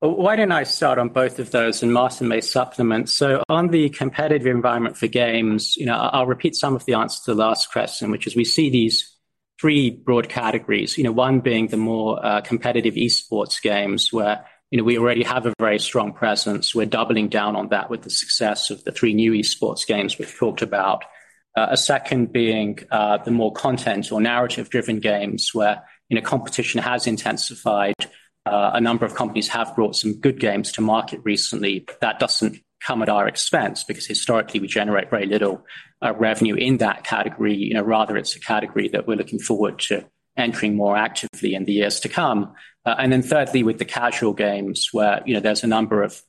Why don't I start on both of those, and Martin may supplement? On the competitive environment for games, you know, I'll repeat some of the answer to the last question, which is we see these three broad categories. You know, one being the more competitive esports games, where, you know, we already have a very strong presence. We're doubling down on that with the success of the three new esports games we've talked about. A second being the more content or narrative-driven games, where, you know, competition has intensified. A number of companies have brought some good games to market recently. That doesn't come at our expense, because historically, we generate very little revenue in that category. You know, rather, it's a category that we're looking forward to entering more actively in the years to come. Then thirdly, with the casual games, where, you know, there's a number of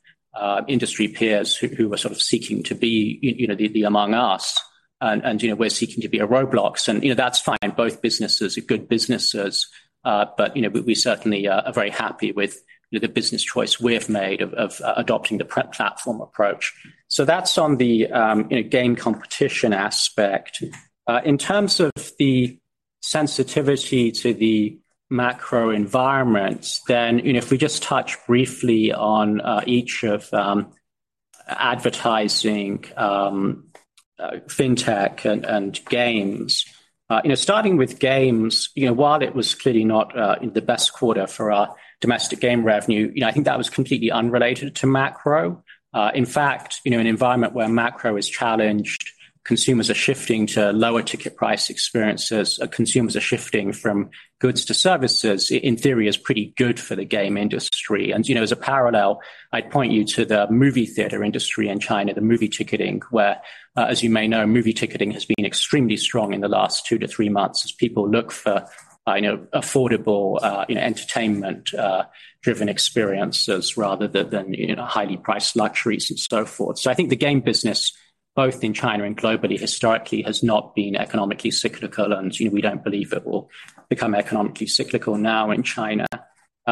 industry peers who, who are sort of seeking to be, you, you know, the, the Among Us, and, and, you know, we're seeking to be a Roblox. You know, that's fine. Both businesses are good businesses, but, you know, we, we certainly are, are very happy with, you know, the business choice we have made of, of adopting the platform approach. That's on the, you know, game competition aspect. In terms of the sensitivity to the macro environment, then, you know, if we just touch briefly on each of advertising, fintech and games. You know, starting with games, you know, while it was clearly not the best quarter for our domestic game revenue, you know, I think that was completely unrelated to macro. In fact, you know, an environment where macro is challenged, consumers are shifting to lower ticket price experiences, or consumers are shifting from goods to services, in theory, is pretty good for the game industry. You know, as a parallel, I'd point you to the movie theater industry in China, the movie ticketing, where, as you may know, movie ticketing has been extremely strong in the last two to three months as people look for, you know, affordable, you know, entertainment, driven experiences rather than, you know, highly priced luxuries and so forth. I think the game business, both in China and globally, historically, has not been economically cyclical, and, you know, we don't believe it will become economically cyclical now in China.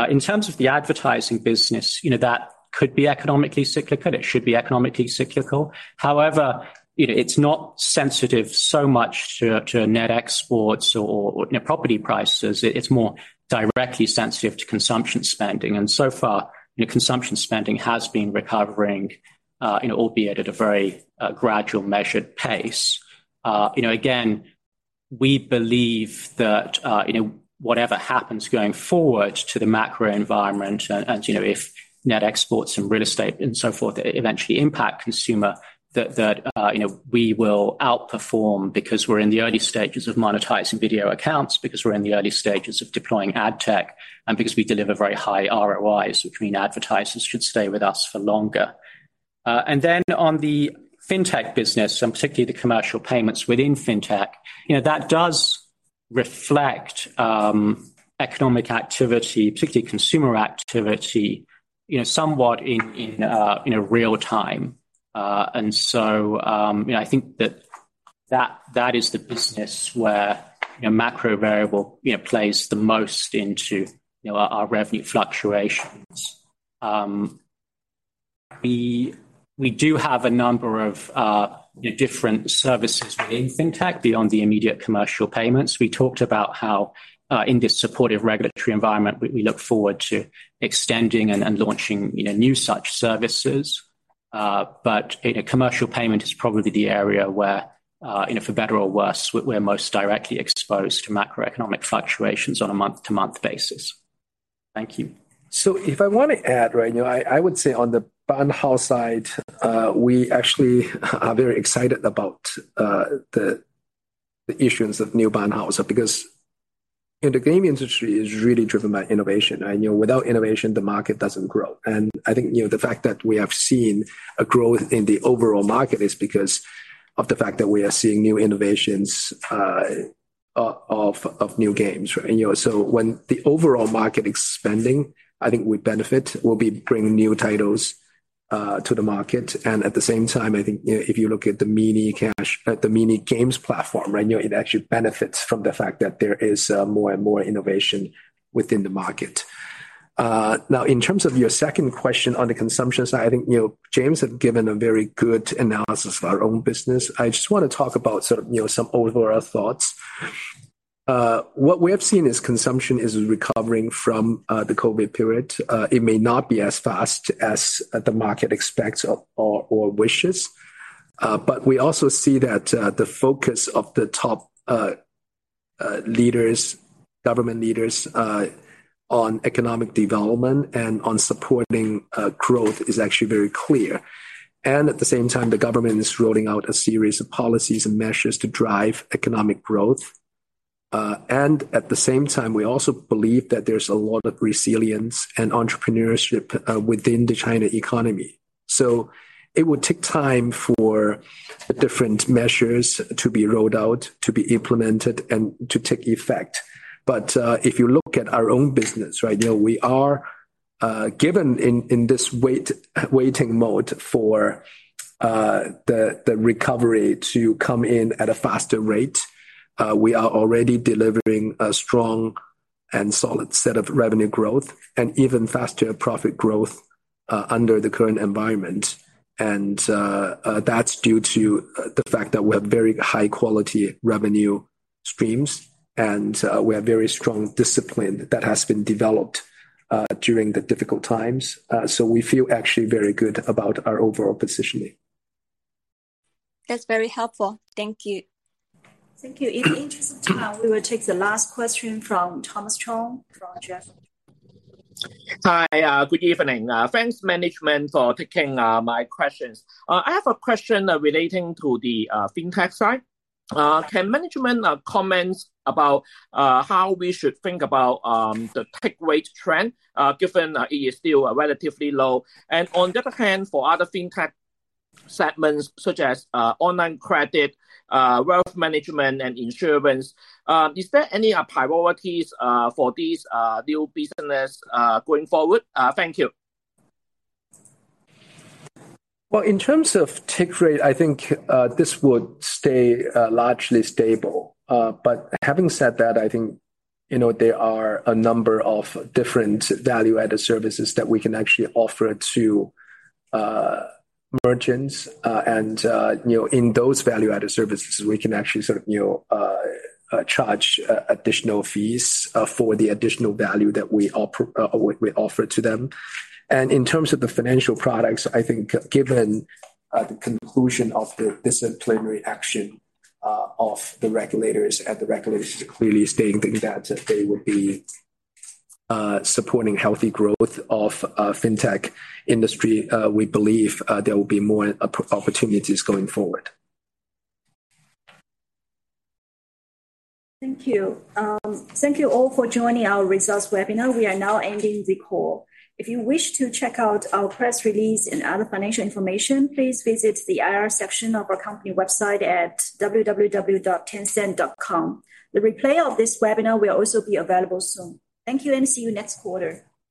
In terms of the advertising business, you know, that could be economically cyclical, it should be economically cyclical. However, you know, it's not sensitive so much to, to net exports or, or, you know, property prices. It, it's more directly sensitive to consumption spending, and so far, you know, consumption spending has been recovering, you know, albeit at a very gradual, measured pace. You know, again, we believe that, you know, whatever happens going forward to the macro environment and, you know, if net exports and real estate and so forth, eventually impact consumer, that, you know, we will outperform because we're in the early stages of monetizing Video Accounts, because we're in the early stages of deploying ad tech, and because we deliver very high ROIs, which mean advertisers should stay with us for longer. Then on the fintech business, and particularly the commercial payments within fintech, you know, that does reflect economic activity, particularly consumer activity, you know, somewhat in a real-time. You know, I think that, that is the business where, you know, macro variable, you know, plays the most into, you know, our, our revenue fluctuations. We, we do have a number of different services within fintech beyond the immediate commercial payments. We talked about how in this supportive regulatory environment, we, we look forward to extending and, and launching, you know, new such services. You know, commercial payment is probably the area where, you know, for better or worse, we're, we're most directly exposed to macroeconomic fluctuations on a month-to-month basis. Thank you. If I want to add, right, you know, I, I would say on the banhao side, we actually are very excited about the issuance of new banhaos. Because, you know, the game industry is really driven by innovation, and, you know, without innovation, the market doesn't grow. I think, you know, the fact that we have seen a growth in the overall market is because of the fact that we are seeing new innovations of new games, right? You know, when the overall market expanding, I think we benefit. We'll be bringing new titles to the market, and at the same time, I think, you know, if you look at the Mini Games platform, right, you know, it actually benefits from the fact that there is more and more innovation within the market. Now, in terms of your second question on the consumption side, I think, you know, James have given a very good analysis of our own business. I just want to talk about sort of, you know, some overall thoughts. What we have seen is consumption is recovering from the COVID period. It may not be as fast as the market expects or, or, or wishes, but we also see that the focus of the top leaders, government leaders, on economic development and on supporting growth is actually very clear. At the same time, the government is rolling out a series of policies and measures to drive economic growth. At the same time, we also believe that there's a lot of resilience and entrepreneurship within the China economy. It will take time for the different measures to be rolled out, to be implemented, and to take effect. If you look at our own business right now, we are given in this waiting mode for the recovery to come in at a faster rate. We are already delivering a strong and solid set of revenue growth and even faster profit growth under the current environment. That's due to the fact that we have very high-quality revenue streams, and we have very strong discipline that has been developed during the difficult times. We feel actually very good about our overall positioning. That's very helpful. Thank you. Thank you. In the interest of time, we will take the last question from Thomas Chong from Jefferies. Hi, good evening. Thanks, management, for taking my questions. I have a question relating to the fintech side. Can management comment about how we should think about the take rate trend, given that it is still relatively low? On the other hand, for other fintech segments, such as online credit, wealth management, and insurance, is there any priorities for these new business going forward? Thank you. Well, in terms of take rate, I think this would stay largely stable. Having said that, I think, you know, there are a number of different Value-Added Services that we can actually offer to merchants. You know, in those Value-Added Services, we can actually sort of, you know, charge additional fees for the additional value that we offer, we offer to them. In terms of the financial products, I think given the conclusion of the disciplinary action of the regulators, and the regulators clearly stating that they will be supporting healthy growth of fintech industry, we believe there will be more opportunities going forward. Thank you. Thank you all for joining our results webinar. We are now ending the call. If you wish to check out our press release and other financial information, please visit the IR section of our company website at Tencent. The replay of this webinar will also be available soon. Thank you, and see you next quarter. Bye.